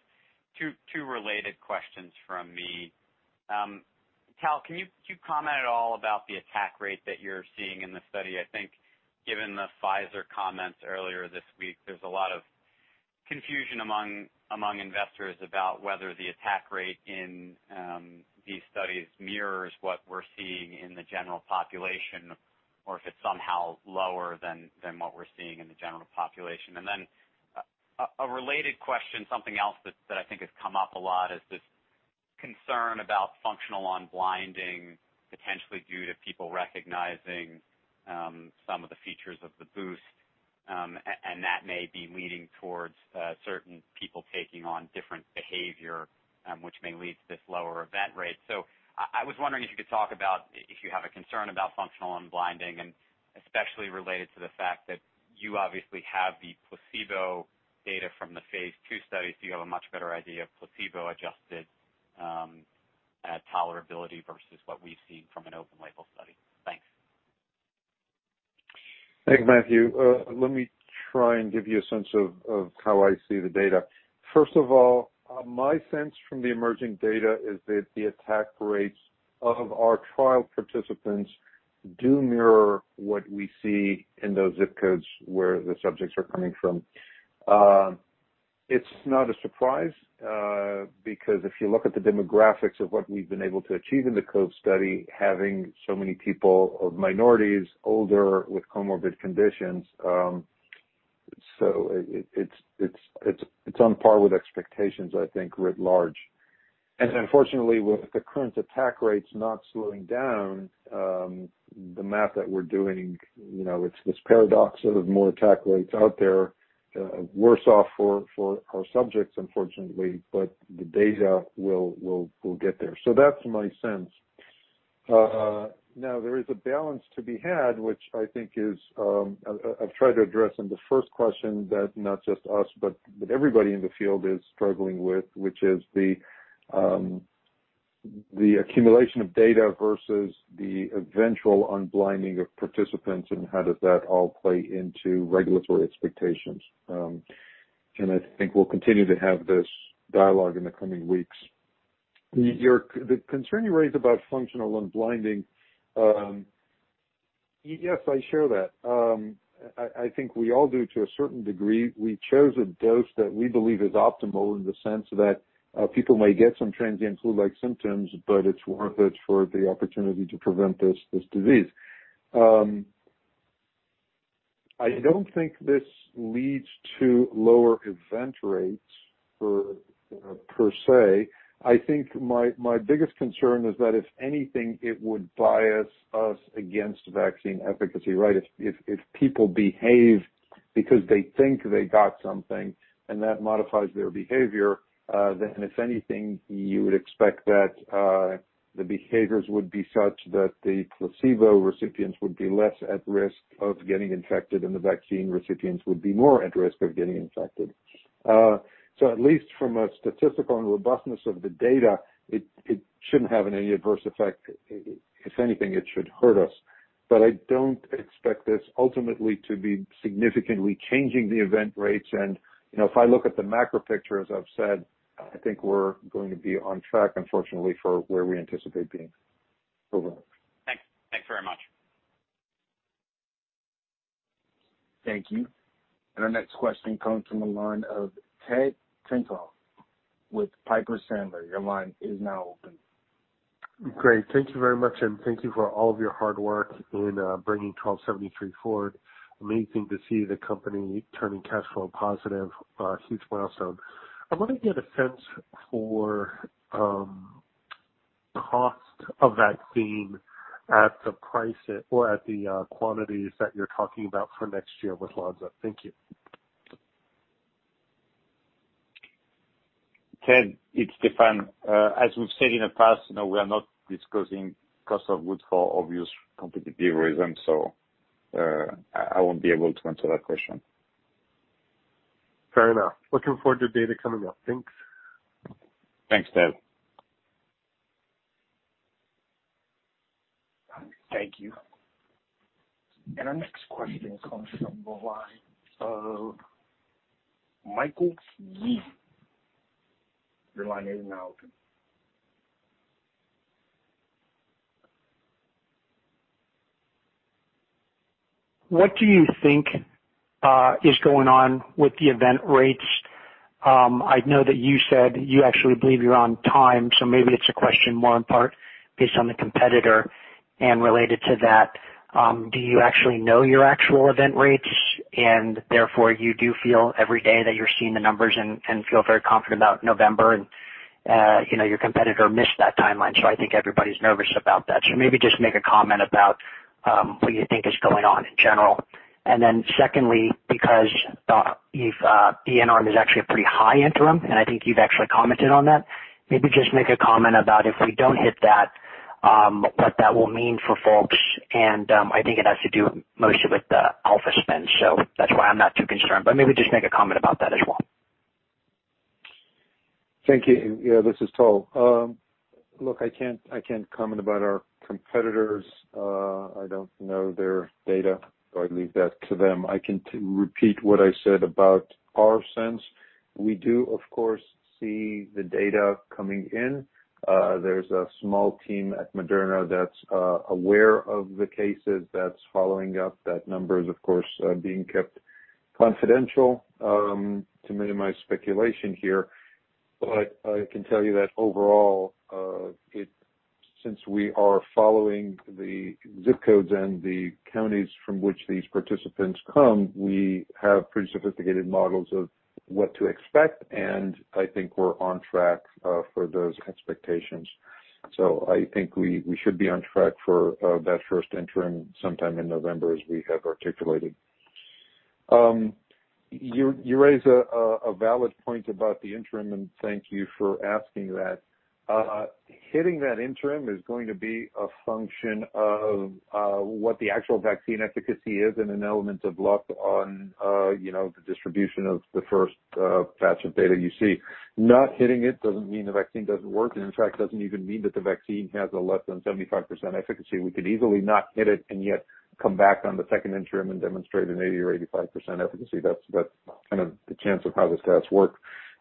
two related questions from me. Tal, can you comment at all about the attack rate that you're seeing in the study? I think given the Pfizer comments earlier this week, there's a lot of confusion among investors about whether the attack rate in these studies mirrors what we're seeing in the general population, or if it's somehow lower than what we're seeing in the general population. A related question, something else that I think has come up a lot, is this concern about functional unblinding, potentially due to people recognizing some of the features of the boost. That may be leading towards certain people taking on different behavior, which may lead to this lower event rate. I was wondering if you could talk about if you have a concern about functional unblinding, and especially related to the fact that you obviously have the placebo data from the phase II study, so you have a much better idea of placebo-adjusted tolerability versus what we've seen from an open label study. Thanks. Thanks, Matthew. Let me try and give you a sense of how I see the data. First of all, my sense from the emerging data is that the attack rates of our trial participants do mirror what we see in those zip codes where the subjects are coming from. It's not a surprise, because if you look at the demographics of what we've been able to achieve in the COVE study, having so many people of minorities, older, with comorbid conditions, so it's on par with expectations, I think, writ large. Unfortunately, with the current attack rates not slowing down, the math that we're doing it's this paradox of more attack rates out there, worse off for our subjects, unfortunately, but the data will get there. That's my sense. Now, there is a balance to be had, which I think I've tried to address in the first question that not just us, but everybody in the field is struggling with, which is the accumulation of data versus the eventual unblinding of participants and how does that all play into regulatory expectations. I think we'll continue to have this dialogue in the coming weeks. The concern you raise about functional unblinding, yes, I share that. I think we all do to a certain degree. We chose a dose that we believe is optimal in the sense that people may get some transient flu-like symptoms, but it's worth it for the opportunity to prevent this disease. I don't think this leads to lower event rates per se. I think my biggest concern is that if anything, it would bias us against vaccine efficacy, right? If people behave because they think they got something and that modifies their behavior, then if anything, you would expect that the behaviors would be such that the placebo recipients would be less at risk of getting infected, and the vaccine recipients would be more at risk of getting infected. At least from a statistical and robustness of the data, it shouldn't have any adverse effect. I don't expect this ultimately to be significantly changing the event rates. If I look at the macro picture, as I've said, I think we're going to be on track, unfortunately, for where we anticipate being. Over. Thanks very much. Thank you. Our next question coming from the line of Ted Tenthoff with Piper Sandler. Your line is now open. Great. Thank you very much, and thank you for all of your hard work in bringing 1273 forward. Amazing to see the company turning cash flow positive. A huge milestone. I want to get a sense for cost of vaccine at the quantities that you're talking about for next year with Lonza. Thank you. Ted, it's Stéphane. As we've said in the past, we are not discussing cost of goods for obvious competitive reasons, so I won't be able to answer that question. Fair enough. Looking forward to data coming up. Thanks. Thanks, Ted. Thank you. Our next question comes from the line of Michael Yee. Your line is now open. What do you think is going on with the event rates? I know that you said you actually believe you're on time, so maybe it's a question more in part based on the competitor. Related to that, do you actually know your actual event rates and therefore you do feel every day that you're seeing the numbers and feel very confident about November and your competitor missed that timeline. I think everybody's nervous about that. Maybe just make a comment about what you think is going on in general. Secondly, because if the bar is actually a pretty high interim, and I think you've actually commented on that, maybe just make a comment about if we don't hit that, what that will mean for folks. I think it has to do mostly with the alpha spend, so that's why I'm not too concerned. Maybe just make a comment about that as well. Thank you. Yeah, this is Tal. Look, I can't comment about our competitors. I don't know their data, so I'd leave that to them. I can repeat what I said about our sense. We do, of course, see the data coming in. There's a small team at Moderna that's aware of the cases that's following up. That number is, of course, being kept confidential to minimize speculation here. I can tell you that overall, since we are following the ZIP codes and the counties from which these participants come, we have pretty sophisticated models of what to expect, and I think we're on track for those expectations. I think we should be on track for that first interim sometime in November, as we have articulated. You raise a valid point about the interim, and thank you for asking that. Hitting that interim is going to be a function of what the actual vaccine efficacy is and an element of luck on the distribution of the first batch of data you see. Not hitting it doesn't mean the vaccine doesn't work, and in fact, doesn't even mean that the vaccine has a less than 75% efficacy. We could easily not hit it and yet come back on the second interim and demonstrate an 80% or 85% efficacy. That's kind of the chance of how this does work.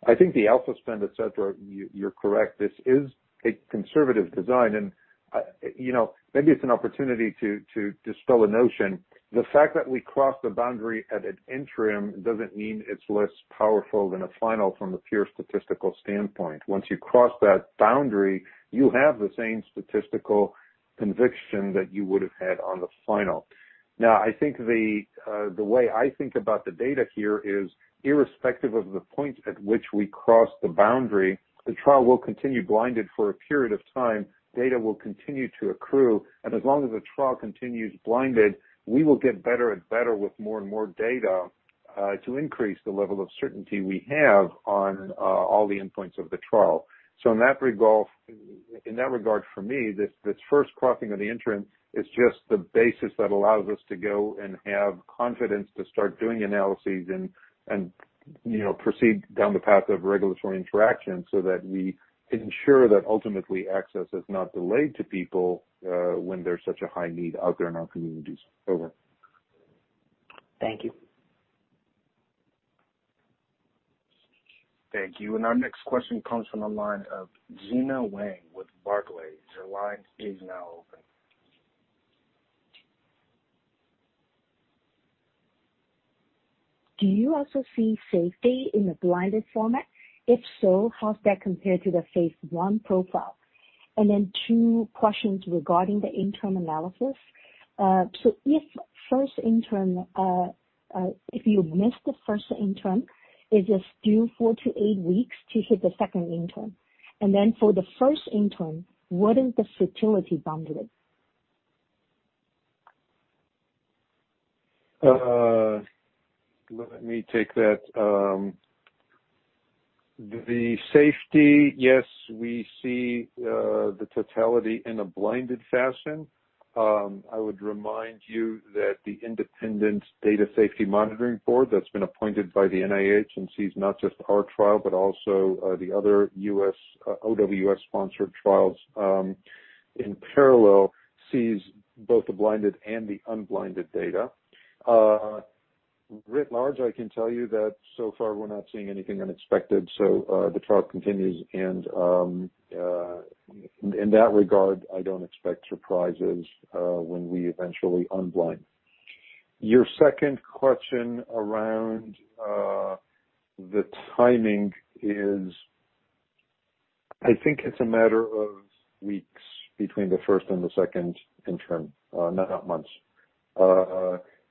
I think the alpha spend, et cetera, you're correct. This is a conservative design, and maybe it's an opportunity to dispel a notion. The fact that we crossed the boundary at an interim doesn't mean it's less powerful than a final from the pure statistical standpoint. Once you cross that boundary, you have the same statistical conviction that you would have had on the final. I think the way I think about the data here is irrespective of the point at which we cross the boundary, the trial will continue blinded for a period of time. Data will continue to accrue, as long as the trial continues blinded, we will get better and better with more and more data to increase the level of certainty we have on all the endpoints of the trial. In that regard for me, this first crossing of the interim is just the basis that allows us to go and have confidence to start doing analyses and proceed down the path of regulatory interaction so that we ensure that ultimately access is not delayed to people when there's such a high need out there in our communities. Thank you. Thank you. Our next question comes from the line of Gena Wang with Barclays. Your line is now open. Do you also see safety in the blinded format? If so, how's that compared to the phase I profile? Two questions regarding the interim analysis. If you miss the first interim, is it still four to eight weeks to hit the second interim? For the first interim, what is the futility boundary? Let me take that. The safety, yes, we see the totality in a blinded fashion. I would remind you that the independent data safety monitoring board that's been appointed by the NIH and sees not just our trial, but also the other OWS-sponsored trials in parallel, sees both the blinded and the unblinded data. Writ large, I can tell you that so far we're not seeing anything unexpected, so the trial continues and in that regard, I don't expect surprises when we eventually unblind. Your second question around the timing is, I think it's a matter of weeks between the first and the second interim, not months.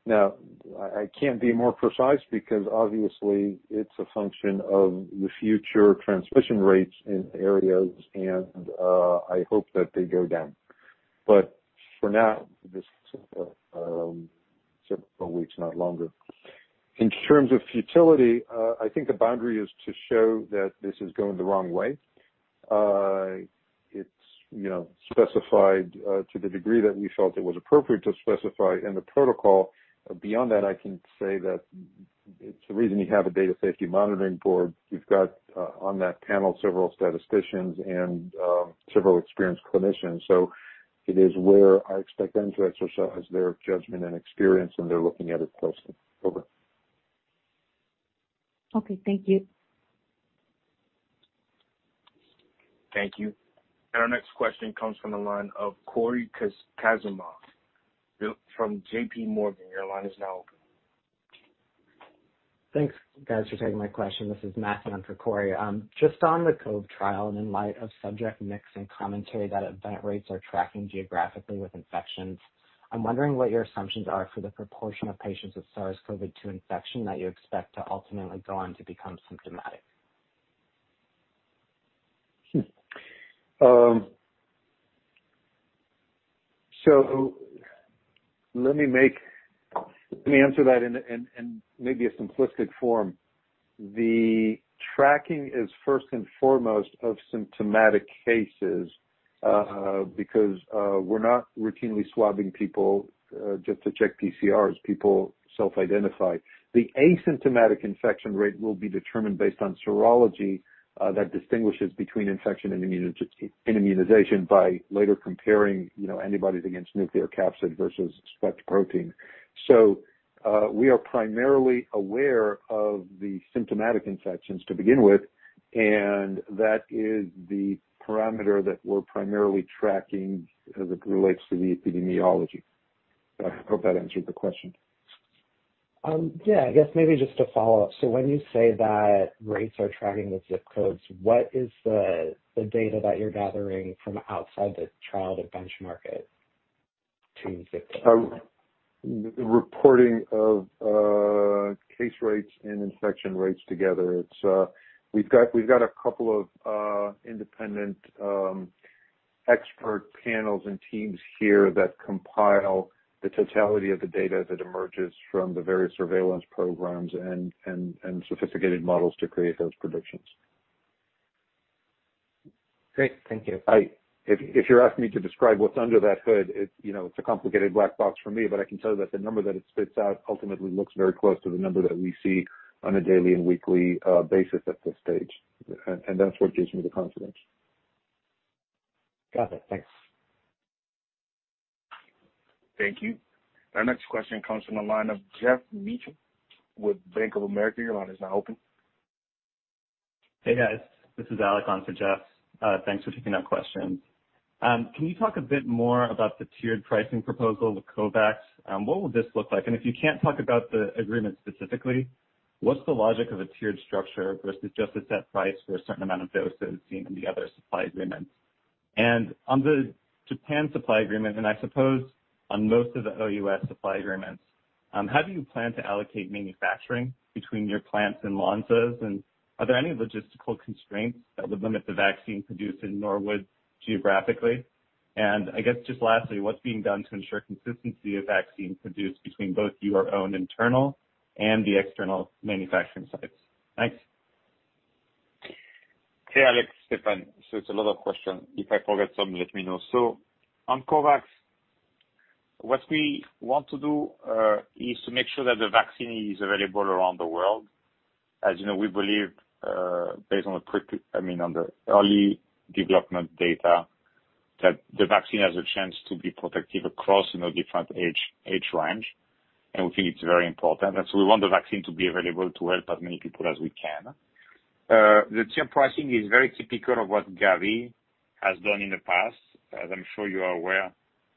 I can't be more precise because obviously it's a function of the future transmission rates in areas, and I hope that they go down. For now, this is several weeks, not longer. In terms of futility, I think the boundary is to show that this is going the wrong way. It is specified to the degree that we felt it was appropriate to specify in the protocol. Beyond that, I can say that it is the reason you have a data safety monitoring board. You have got on that panel several statisticians and several experienced clinicians. It is where I expect them to exercise their judgment and experience, and they are looking at it closely. Over. Okay. Thank you. Thank you. Our next question comes from the line of Cory Kasimov from JPMorgan. Your line is now open. Thanks, guys, for taking my question. This is Matthew on for Cory. Just on the COVID trial, in light of subject mix and commentary that event rates are tracking geographically with infections, I'm wondering what your assumptions are for the proportion of patients with SARS-CoV-2 infection that you expect to ultimately go on to become symptomatic. Let me answer that in maybe a simplistic form. The tracking is first and foremost of symptomatic cases, because we're not routinely swabbing people just to check PCRs. People self-identify. The asymptomatic infection rate will be determined based on serology that distinguishes between infection and immunization by later comparing antibodies against nucleocapsid versus spike protein. We are primarily aware of the symptomatic infections to begin with, and that is the parameter that we're primarily tracking as it relates to the epidemiology. I hope that answered the question. Yeah, I guess maybe just a follow-up. When you say that rates are tracking with zip codes, what is the data that you're gathering from outside the trial to benchmark it to zip codes? The reporting of case rates and infection rates together, we've got a couple of independent expert panels and teams here that compile the totality of the data that emerges from the various surveillance programs and sophisticated models to create those predictions. Great. Thank you. If you're asking me to describe what's under that hood, it's a complicated black box for me, but I can tell you that the number that it spits out ultimately looks very close to the number that we see on a daily and weekly basis at this stage. That's what gives me the confidence. Got it. Thanks. Thank you. Our next question comes from the line of Geoff Meacham with Bank of America. Your line is now open. Hey, guys. This is Alec on for Geoff. Thanks for taking our questions. Can you talk a bit more about the tiered pricing proposal with COVAX? What will this look like? If you can't talk about the agreement specifically, what's the logic of a tiered structure versus just a set price for a certain amount of doses seen in the other supply agreements? On the Japan supply agreement, and I suppose on most of the OUS supply agreements, how do you plan to allocate manufacturing between your plants and Lonza's, and are there any logistical constraints that would limit the vaccine produced in Norwood geographically? I guess just lastly, what's being done to ensure consistency of vaccine produced between both your own internal and the external manufacturing sites? Thanks. Hey, Alec, Stéphane. It's a lot of questions. If I forget some, let me know. On COVAX, what we want to do is to make sure that the vaccine is available around the world. As you know, we believe, based on the early development data, that the vaccine has a chance to be protective across different age range, and we think it's very important. We want the vaccine to be available to help as many people as we can. The tiered pricing is very typical of what Gavi has done in the past. As I'm sure you are aware,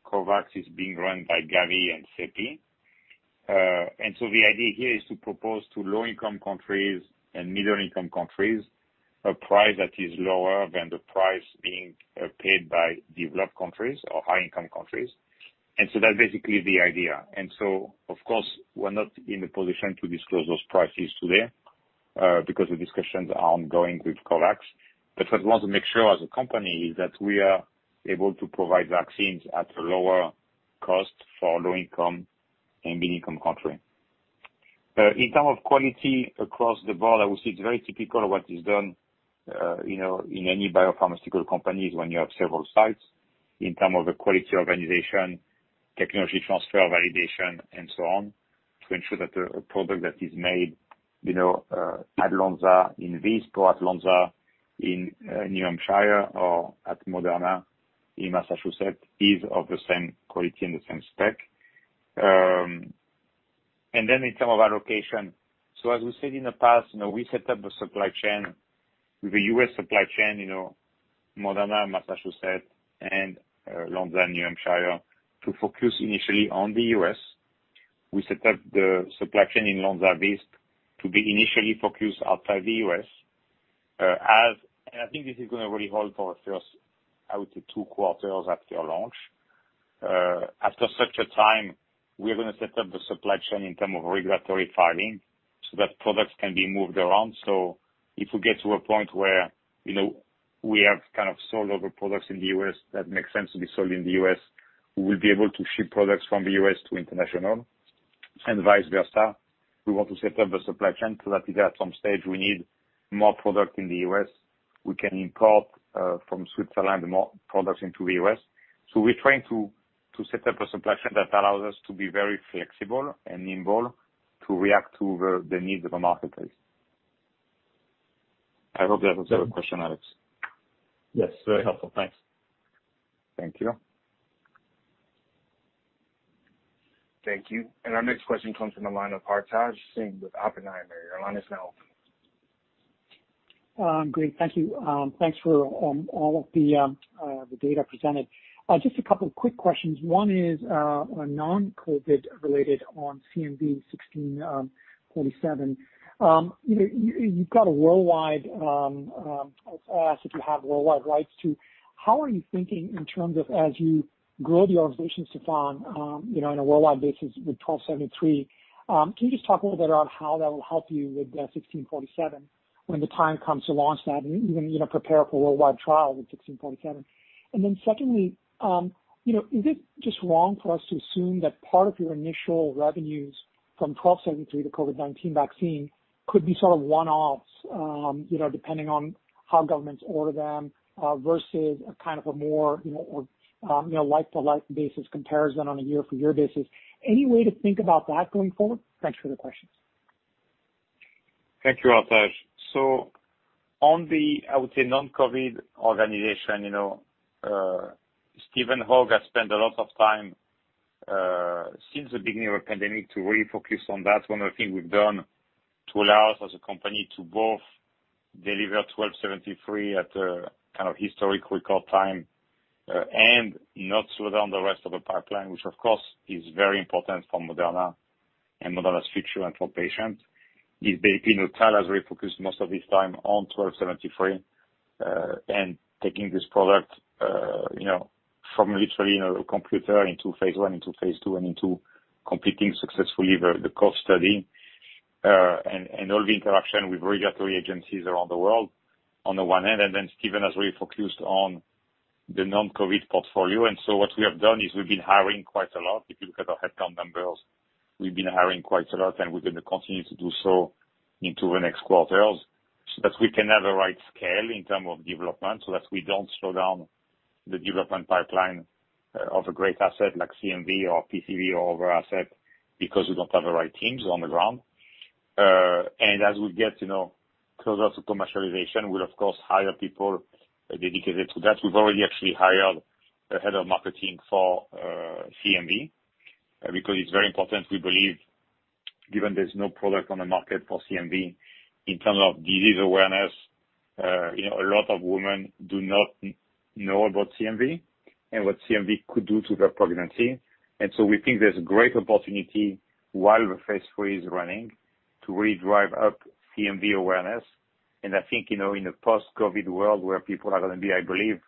COVAX is being run by Gavi and CEPI. The idea here is to propose to low-income countries and middle-income countries a price that is lower than the price being paid by developed countries or high-income countries. That's basically the idea. Of course, we're not in a position to disclose those prices today, because the discussions are ongoing with COVAX. What we want to make sure as a company is that we are able to provide vaccines at a lower cost for low-income and middle-income countries. In terms of quality across the board, I would say it's very typical of what is done in any biopharmaceutical companies when you have several sites, in terms of the quality organization, technology transfer, validation, and so on, to ensure that a product that is made at Lonza in Visp or at Lonza in New Hampshire or at Moderna in Massachusetts is of the same quality and the same spec. In terms of our location. As we said in the past, we set up a supply chain with the U.S. supply chain, Moderna, Massachusetts, and Lonza in New Hampshire to focus initially on the U.S. We set up the supply chain in Lonza Visp to be initially focused outside the U.S. I think this is going to really hold for our first, I would say, two quarters after our launch. After such a time, we're going to set up the supply chain in terms of regulatory filing so that products can be moved around. If we get to a point where we have kind of sold all the products in the U.S. that makes sense to be sold in the U.S., we will be able to ship products from the U.S. to international and vice versa. We want to set up a supply chain so that if at some stage we need more product in the U.S., we can import from Switzerland more products into the U.S. We're trying to set up a supply chain that allows us to be very flexible and nimble to react to the needs of the marketplace. I hope that answers your question, Alec. Yes. Very helpful. Thanks. Thank you. Thank you. Our next question comes from the line of Hartaj Singh with Oppenheimer. Your line is now open. Great. Thank you. Thanks for all of the data presented. Just a couple of quick questions. One is on non-COVID-related on CMV 1647. I'll ask if you have worldwide rights too. How are you thinking in terms of as you grow the organization, Stéphane, in a worldwide basis with 1273, can you just talk a little bit about how that will help you with the 1647 when the time comes to launch that, and even prepare for worldwide trial with 1647? Secondly, is it just wrong for us to assume that part of your initial revenues from 1273, the COVID-19 vaccine, could be sort of one-offs, depending on how governments order them, versus a kind of a more like-to-like basis comparison on a year-for-year basis? Any way to think about that going forward? Thanks for the questions. Thank you, Hartaj. On the, I would say, non-COVID organization, Stephen Hoge has spent a lot of time since the beginning of the pandemic to really focus on that. One of the things we've done to allow us as a company to both deliver mRNA-1273 at a kind of historic record time and not slow down the rest of the pipeline, which of course is very important for Moderna and Moderna's future and for patients, is basically Tal has refocused most of his time on mRNA-1273, and taking this product from literally a computer into phase I, into phase II, and into completing successfully the COVE study, and all the interaction with regulatory agencies around the world on the one hand, and then Stephen has really focused on the non-COVID portfolio. What we have done is we've been hiring quite a lot. If you look at our headcount numbers, we've been hiring quite a lot, we're going to continue to do so into the next quarters, so that we can have the right scale in terms of development, so that we don't slow down the development pipeline of a great asset like CMV or PCV or other asset because we don't have the right teams on the ground. As we get closer to commercialization, we'll of course hire people dedicated to that. We've already actually hired a head of marketing for CMV, because it's very important, we believe, given there's no product on the market for CMV in terms of disease awareness. A lot of women do not know about CMV and what CMV could do to their pregnancy. We think there's a great opportunity while the phase III is running to really drive up CMV awareness. I think, in a post-COVID world where people are going to be, I believe,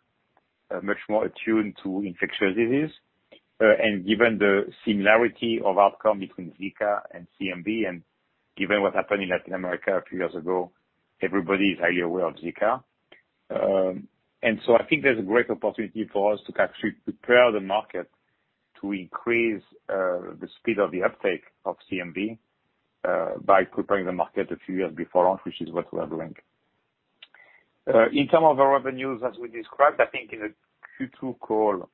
much more attuned to infectious disease, and given the similarity of outcome between Zika and CMV, and given what happened in Latin America a few years ago, everybody is highly aware of Zika. I think there's a great opportunity for us to actually prepare the market to increase the speed of the uptake of CMV by preparing the market a few years before launch, which is what we're doing. In terms of our revenues, as we described, I think in the Q2 call,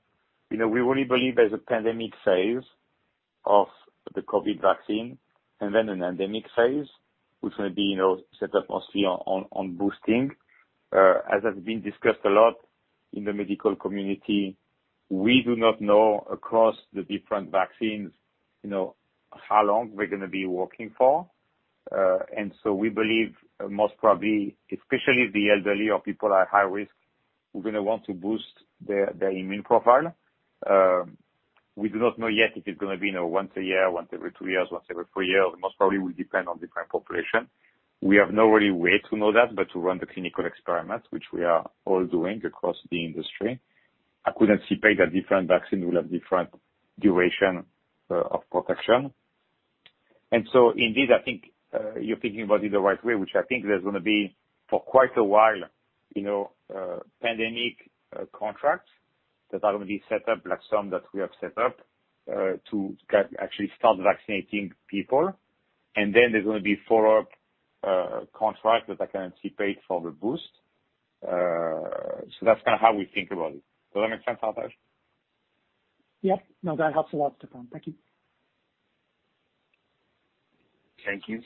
we really believe there's a pandemic phase of the COVID vaccine, and then an endemic phase, which will be set up mostly on boosting. As has been discussed a lot in the medical community, we do not know across the different vaccines how long we're going to be working for. We believe most probably, especially the elderly or people at high risk We're going to want to boost their immune profile. We do not know yet if it's going to be once a year, once every two years, once every three years. Most probably will depend on different population. We have no real way to know that, but to run the clinical experiments, which we are all doing across the industry. I could see that different vaccine will have different duration of protection. Indeed, I think you're thinking about it the right way, which I think there's going to be for quite a while, pandemic contracts that are going to be set up like some that we have set up to actually start vaccinating people, and then there's going to be follow-up contracts that I can anticipate for the boost. That's kind of how we think about it. Does that make sense, Hartaj? Yeah. No, that helps a lot, Stéphane. Thank you. Thank you.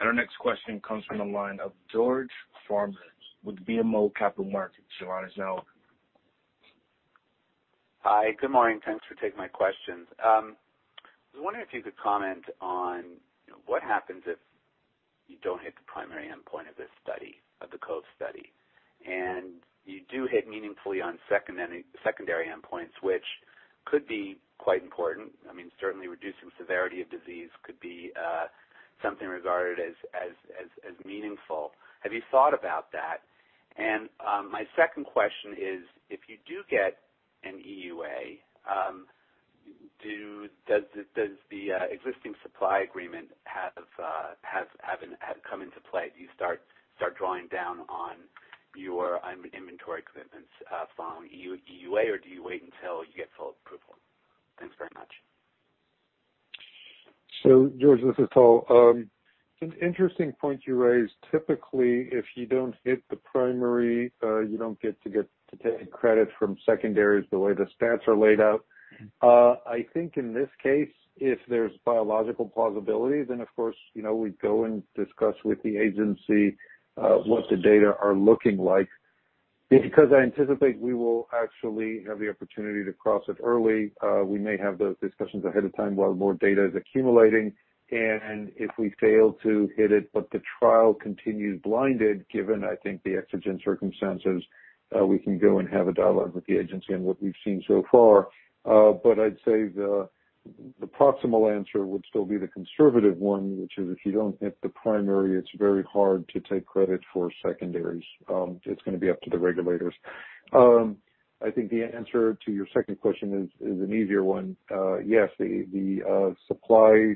Our next question comes from the line of George Farmer with BMO Capital Markets. Your line is now open. Hi. Good morning. Thanks for taking my questions. I was wondering if you could comment on what happens if you don't hit the primary endpoint of this study, of the COVE study, and you do hit meaningfully on secondary endpoints, which could be quite important. Certainly reducing severity of disease could be something regarded as meaningful. Have you thought about that? My second question is, if you do get an EUA, does the existing supply agreement have come into play? Do you start drawing down on your inventory commitments following EUA, or do you wait until you get full approval? Thanks very much. George, this is Tal. It's an interesting point you raised. Typically, if you don't hit the primary, you don't get to take credit from secondaries the way the stats are laid out. I think in this case, if there's biological plausibility, then of course, we'd go and discuss with the agency what the data are looking like. I anticipate we will actually have the opportunity to cross it early, we may have those discussions ahead of time while more data is accumulating, and if we fail to hit it, but the trial continues blinded, given, I think, the exigent circumstances, we can go and have a dialogue with the agency on what we've seen so far. I'd say the proximal answer would still be the conservative one, which is if you don't hit the primary, it's very hard to take credit for secondaries. It's going to be up to the regulators. I think the answer to your second question is an easier one. Yes, the supply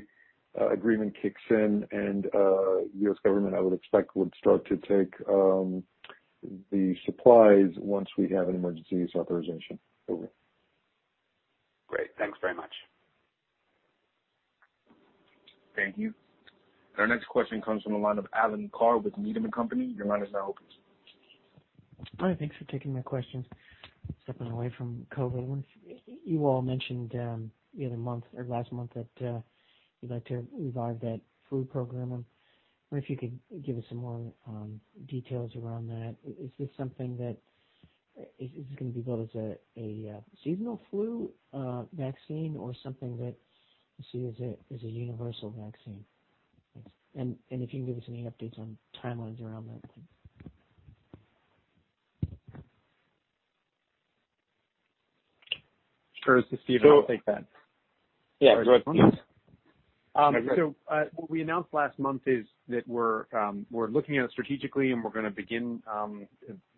agreement kicks in and U.S. government, I would expect, would start to take the supplies once we have an emergency use authorization. Over. Great. Thanks very much. Thank you. Our next question comes from the line of Alan Carr with Needham & Company. Your line is now open. Hi, thanks for taking my questions. Stepping away from COVID, you all mentioned last month that you'd like to revive that flu program. I wonder if you could give us some more details around that. Is this something that is going to be built as a seasonal flu vaccine or something that we see as a universal vaccine? Thanks. If you can give us any updates on timelines around that? George, this is Steve. I'll take that. Yeah. Go ahead, Steve. What we announced last month is that we're looking at it strategically, and we're going to begin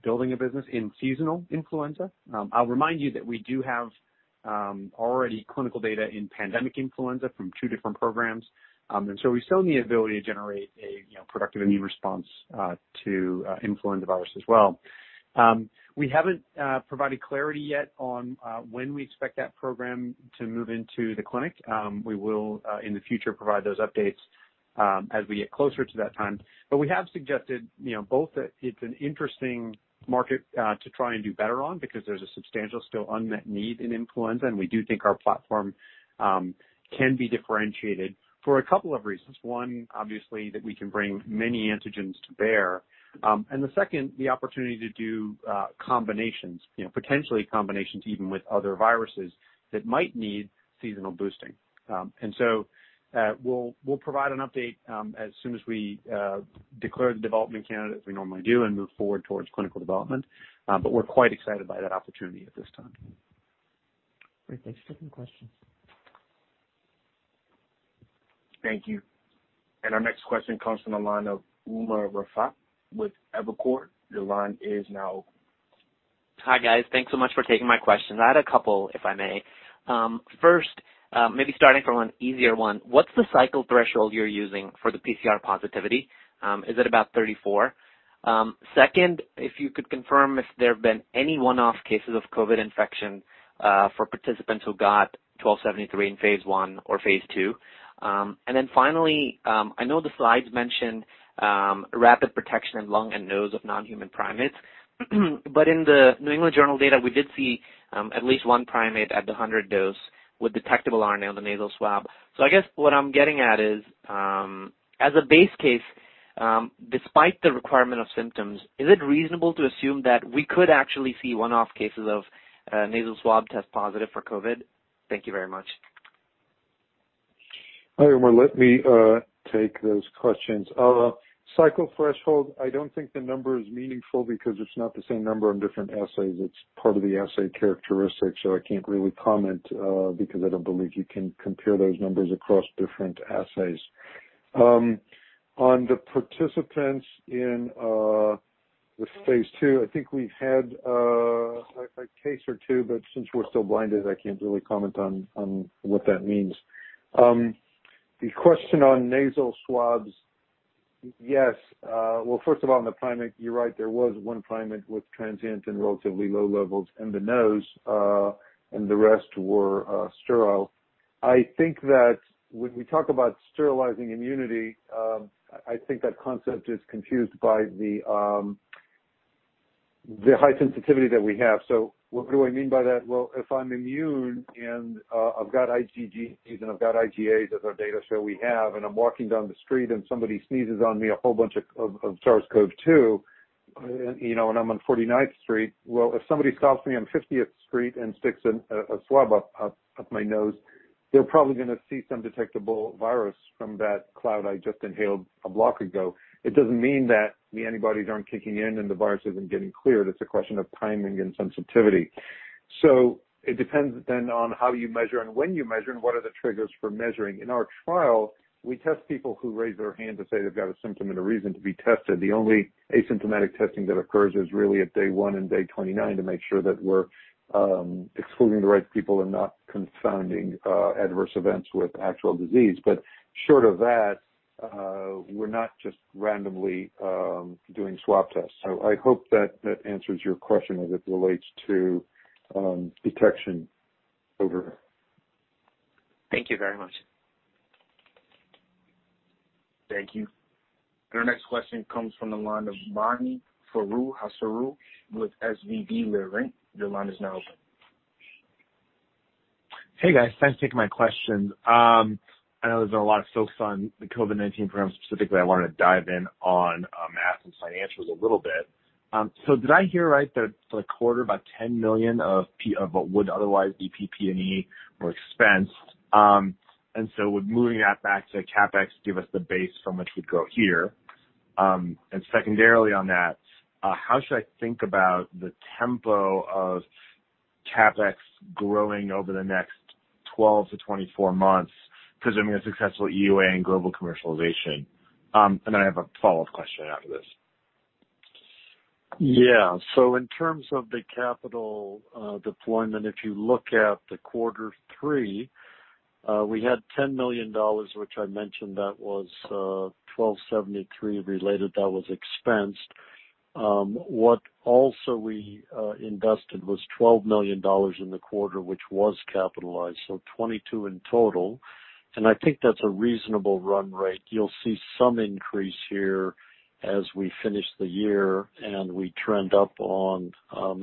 building a business in seasonal influenza. I'll remind you that we do have already clinical data in pandemic influenza from two different programs. We've shown the ability to generate a productive immune response to influenza virus as well. We haven't provided clarity yet on when we expect that program to move into the clinic. We will in the future provide those updates as we get closer to that time. We have suggested both that it's an interesting market to try and do better on because there's a substantial still unmet need in influenza, and we do think our platform can be differentiated for a couple of reasons. One, obviously, that we can bring many antigens to bear. The second, the opportunity to do combinations. Potentially combinations even with other viruses that might need seasonal boosting. We'll provide an update as soon as we declare the development candidate, as we normally do, and move forward towards clinical development. We're quite excited by that opportunity at this time. Great. Thanks for taking the question. Thank you. Our next question comes from the line of Umer Raffat with Evercore. Your line is now open. Hi, guys. Thanks so much for taking my questions. I had a couple, if I may. First, starting from an easier one. What's the cycle threshold you're using for the PCR positivity? Is it about 34? Second, if you could confirm if there have been any one-off cases of COVID infection for participants who got 1273 in phase I or phase II. Finally, I know the slides mentioned rapid protection in lung and nose of non-human primates, but in the New England Journal data, we did see at least one primate at the 100 dose with detectable RNA on the nasal swab. I guess what I'm getting at is, as a base case, despite the requirement of symptoms, is it reasonable to assume that we could actually see one-off cases of nasal swab test positive for COVID? Thank you very much. Hi, Umer. Let me take those questions. Cycle threshold, I don't think the number is meaningful because it's not the same number on different assays. It's part of the assay characteristic. I can't really comment because I don't believe you can compare those numbers across different assays. On the participants in the phase II, I think we've had a case or two. Since we're still blinded, I can't really comment on what that means. The question on nasal swabs. Yes. Well, first of all, in the primate, you're right. There was one primate with transient and relatively low levels in the nose, and the rest were sterile. I think that when we talk about sterilizing immunity, I think that concept is confused by the high sensitivity that we have. What do I mean by that? If I'm immune and I've got IgGs and I've got IgAs, as our data show we have, and I'm walking down the street and somebody sneezes on me a whole bunch of SARS-CoV-2, and I'm on 49th Street. If somebody stops me on 50th Street and sticks a swab up my nose, they're probably going to see some detectable virus from that cloud I just inhaled a block ago. It doesn't mean that the antibodies aren't kicking in and the virus isn't getting cleared. It's a question of timing and sensitivity. It depends then on how you measure and when you measure and what are the triggers for measuring. In our trial, we test people who raise their hand to say they've got a symptom and a reason to be tested. The only asymptomatic testing that occurs is really at day one and day 29 to make sure that we're excluding the right people and not confounding adverse events with actual disease. Short of that, we're not just randomly doing swab tests. I hope that answers your question as it relates to detection. Over. Thank you very much. Thank you. Our next question comes from the line of Mani Foroohar with SVB Leerink. Your line is now open. Hey, guys. Thanks for taking my question. I know there's been a lot of focus on the COVID-19 program. Specifically, I wanted to dive in on math and financials a little bit. Did I hear right that for the quarter, about $10 million of what would otherwise be PP&E were expensed? With moving that back to CapEx, give us the base from which we'd go here. Secondarily on that, how should I think about the tempo of CapEx growing over the next 12 to 24 months, presuming a successful EUA and global commercialization? I have a follow-up question after this. Yeah. In terms of the capital deployment, if you look at the quarter three, we had $10 million, which I mentioned that was mRNA-1273 related, that was expensed. What also we invested was $12 million in the quarter, which was capitalized, so $22 million in total. I think that's a reasonable run rate. You'll see some increase here as we finish the year and we trend up on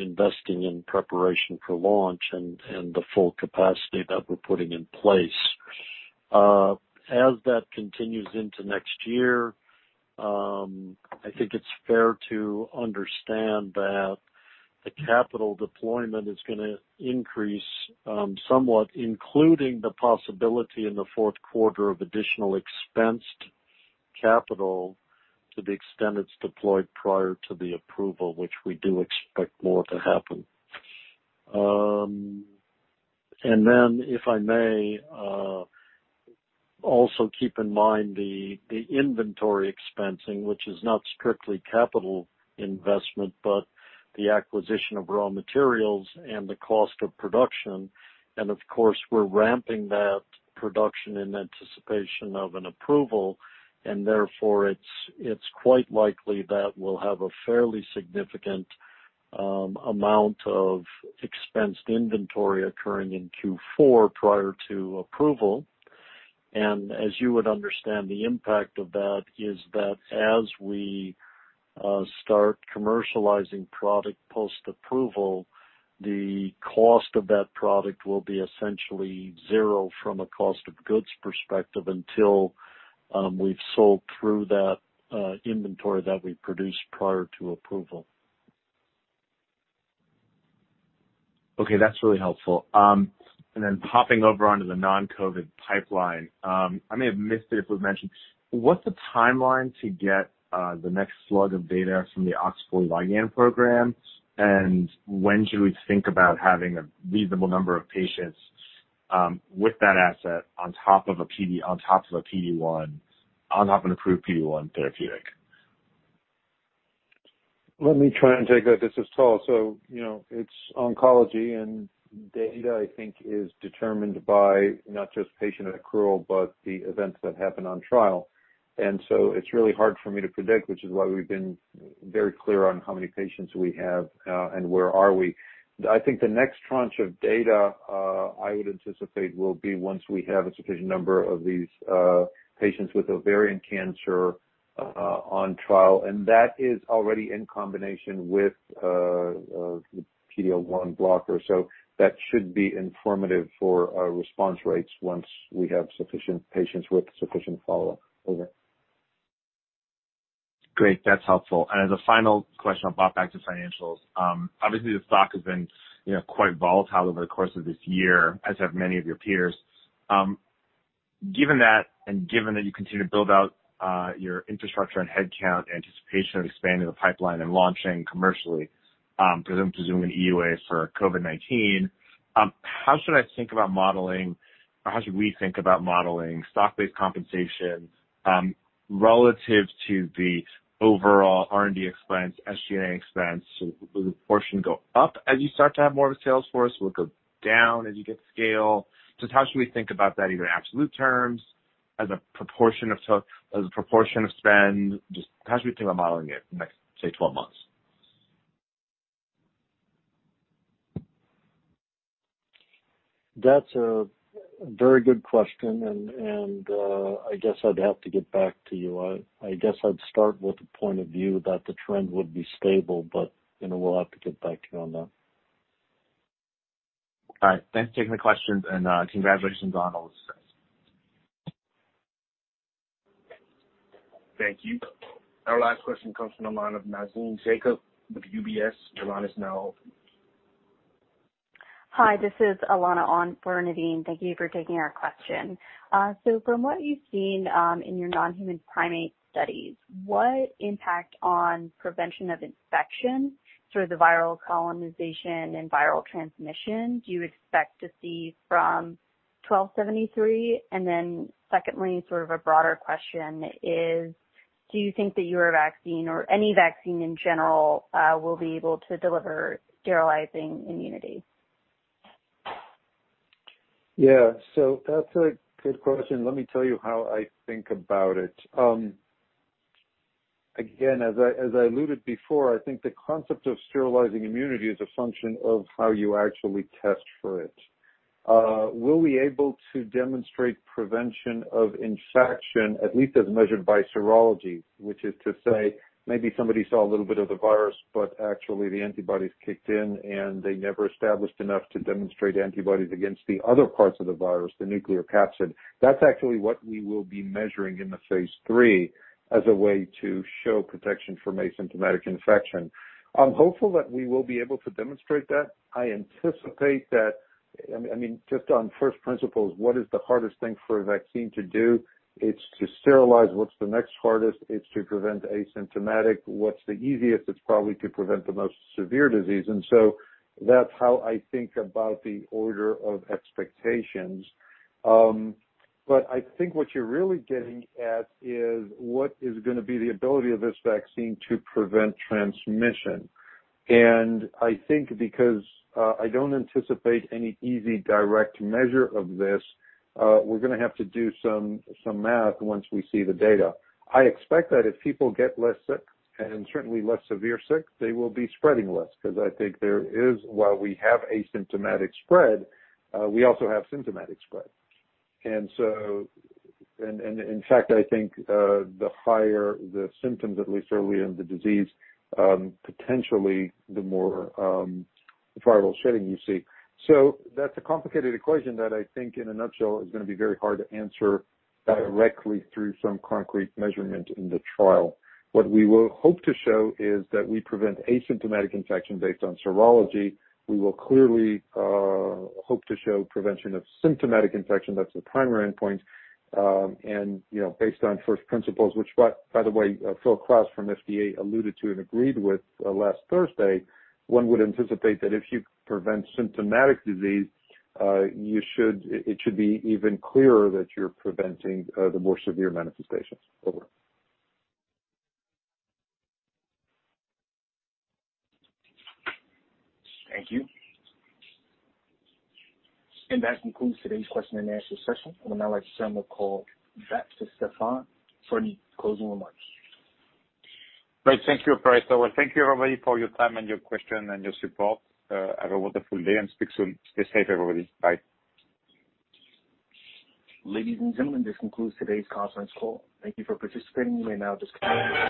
investing in preparation for launch and the full capacity that we're putting in place. As that continues into next year, I think it's fair to understand that the capital deployment is going to increase somewhat, including the possibility in the fourth quarter of additional expensed capital to the extent it's deployed prior to the approval, which we do expect more to happen. If I may also keep in mind the inventory expensing, which is not strictly capital investment, but the acquisition of raw materials and the cost of production. We're ramping that production in anticipation of an approval, and therefore it's quite likely that we'll have a fairly significant amount of expensed inventory occurring in Q4 prior to approval. As you would understand, the impact of that is that as we start commercializing product post-approval, the cost of that product will be essentially zero from a cost of goods perspective until we've sold through that inventory that we produced prior to approval. Okay. That's really helpful. Then hopping over onto the non-COVID pipeline. I may have missed it if it was mentioned. What's the timeline to get the next slug of data from the OX40 ligand program, and when should we think about having a reasonable number of patients with that asset on top of an approved PD-1 therapeutic? Let me try and take that. This is Tal. It's oncology, and data, I think, is determined by not just patient accrual, but the events that happen on trial. It's really hard for me to predict, which is why we've been very clear on how many patients we have and where are we. I think the next tranche of data, I would anticipate, will be once we have a sufficient number of these patients with ovarian cancer on trial, and that is already in combination with a PD-L1 blocker. That should be informative for our response rates once we have sufficient patients with sufficient follow-up. Over. Great. That's helpful. As a final question on buyback to financials, obviously the stock has been quite volatile over the course of this year, as have many of your peers. Given that, and given that you continue to build out your infrastructure and headcount, anticipation of expanding the pipeline and launching commercially, presume an EUA for COVID-19, how should I think about modeling, or how should we think about modeling stock-based compensation relative to the overall R&D expense, SG&A expense? Will the portion go up as you start to have more of a sales force? Will it go down as you get scale? Just how should we think about that, either absolute terms as a proportion of spend. Just how should we think about modeling it the next, say, 12 months? That's a very good question. I guess I'd have to get back to you. I guess I'd start with the point of view that the trend would be stable. We'll have to get back to you on that. All right. Thanks for taking the questions, and congratulations on all the success. Thank you. Our last question comes from the line of Navin Jacob with UBS. Your line is now open. Hi, this is Alana on for Navin. Thank you for taking our question. From what you've seen in your non-human primate studies, what impact on prevention of infection through the viral colonization and viral transmission do you expect to see from 1273? Secondly, sort of a broader question is, do you think that your vaccine or any vaccine in general, will be able to deliver sterilizing immunity? That's a good question. Let me tell you how I think about it. Again, as I alluded before, I think the concept of sterilizing immunity is a function of how you actually test for it. Will we be able to demonstrate prevention of infection, at least as measured by serology, which is to say, maybe somebody saw a little bit of the virus, but actually the antibodies kicked in, and they never established enough to demonstrate antibodies against the other parts of the virus, the nucleocapsid. That's actually what we will be measuring in the phase III as a way to show protection from asymptomatic infection. I'm hopeful that we will be able to demonstrate that. I anticipate that I mean, just on first principles, what is the hardest thing for a vaccine to do? It's to sterilize. What's the next hardest? It's to prevent asymptomatic. What's the easiest? It's probably to prevent the most severe disease. That's how I think about the order of expectations. I think what you're really getting at is what is going to be the ability of this vaccine to prevent transmission. I think because I don't anticipate any easy direct measure of this, we're going to have to do some math once we see the data. I expect that if people get less sick, and certainly less severe sick, they will be spreading less, because I think there is, while we have asymptomatic spread, we also have symptomatic spread. In fact, I think, the higher the symptoms, at least early in the disease, potentially the more viral shedding you see. That's a complicated equation that I think in a nutshell is going to be very hard to answer directly through some concrete measurement in the trial. What we will hope to show is that we prevent asymptomatic infection based on serology. We will clearly hope to show prevention of symptomatic infection. That's the primary endpoint. Based on first principles, which, by the way, Phil Krause from FDA alluded to and agreed with last Thursday, one would anticipate that if you prevent symptomatic disease, it should be even clearer that you're preventing the more severe manifestations. Over. Thank you. That concludes today's question-and-answer session. I would now like to turn the call back to Stéphane for any closing remarks. Great. Thank you, operator. Thank you, everybody, for your time and your question and your support. Have a wonderful day and speak soon. Stay safe, everybody. Bye. Ladies and gentlemen, this concludes today's conference call. Thank you for participating. You may now disconnect.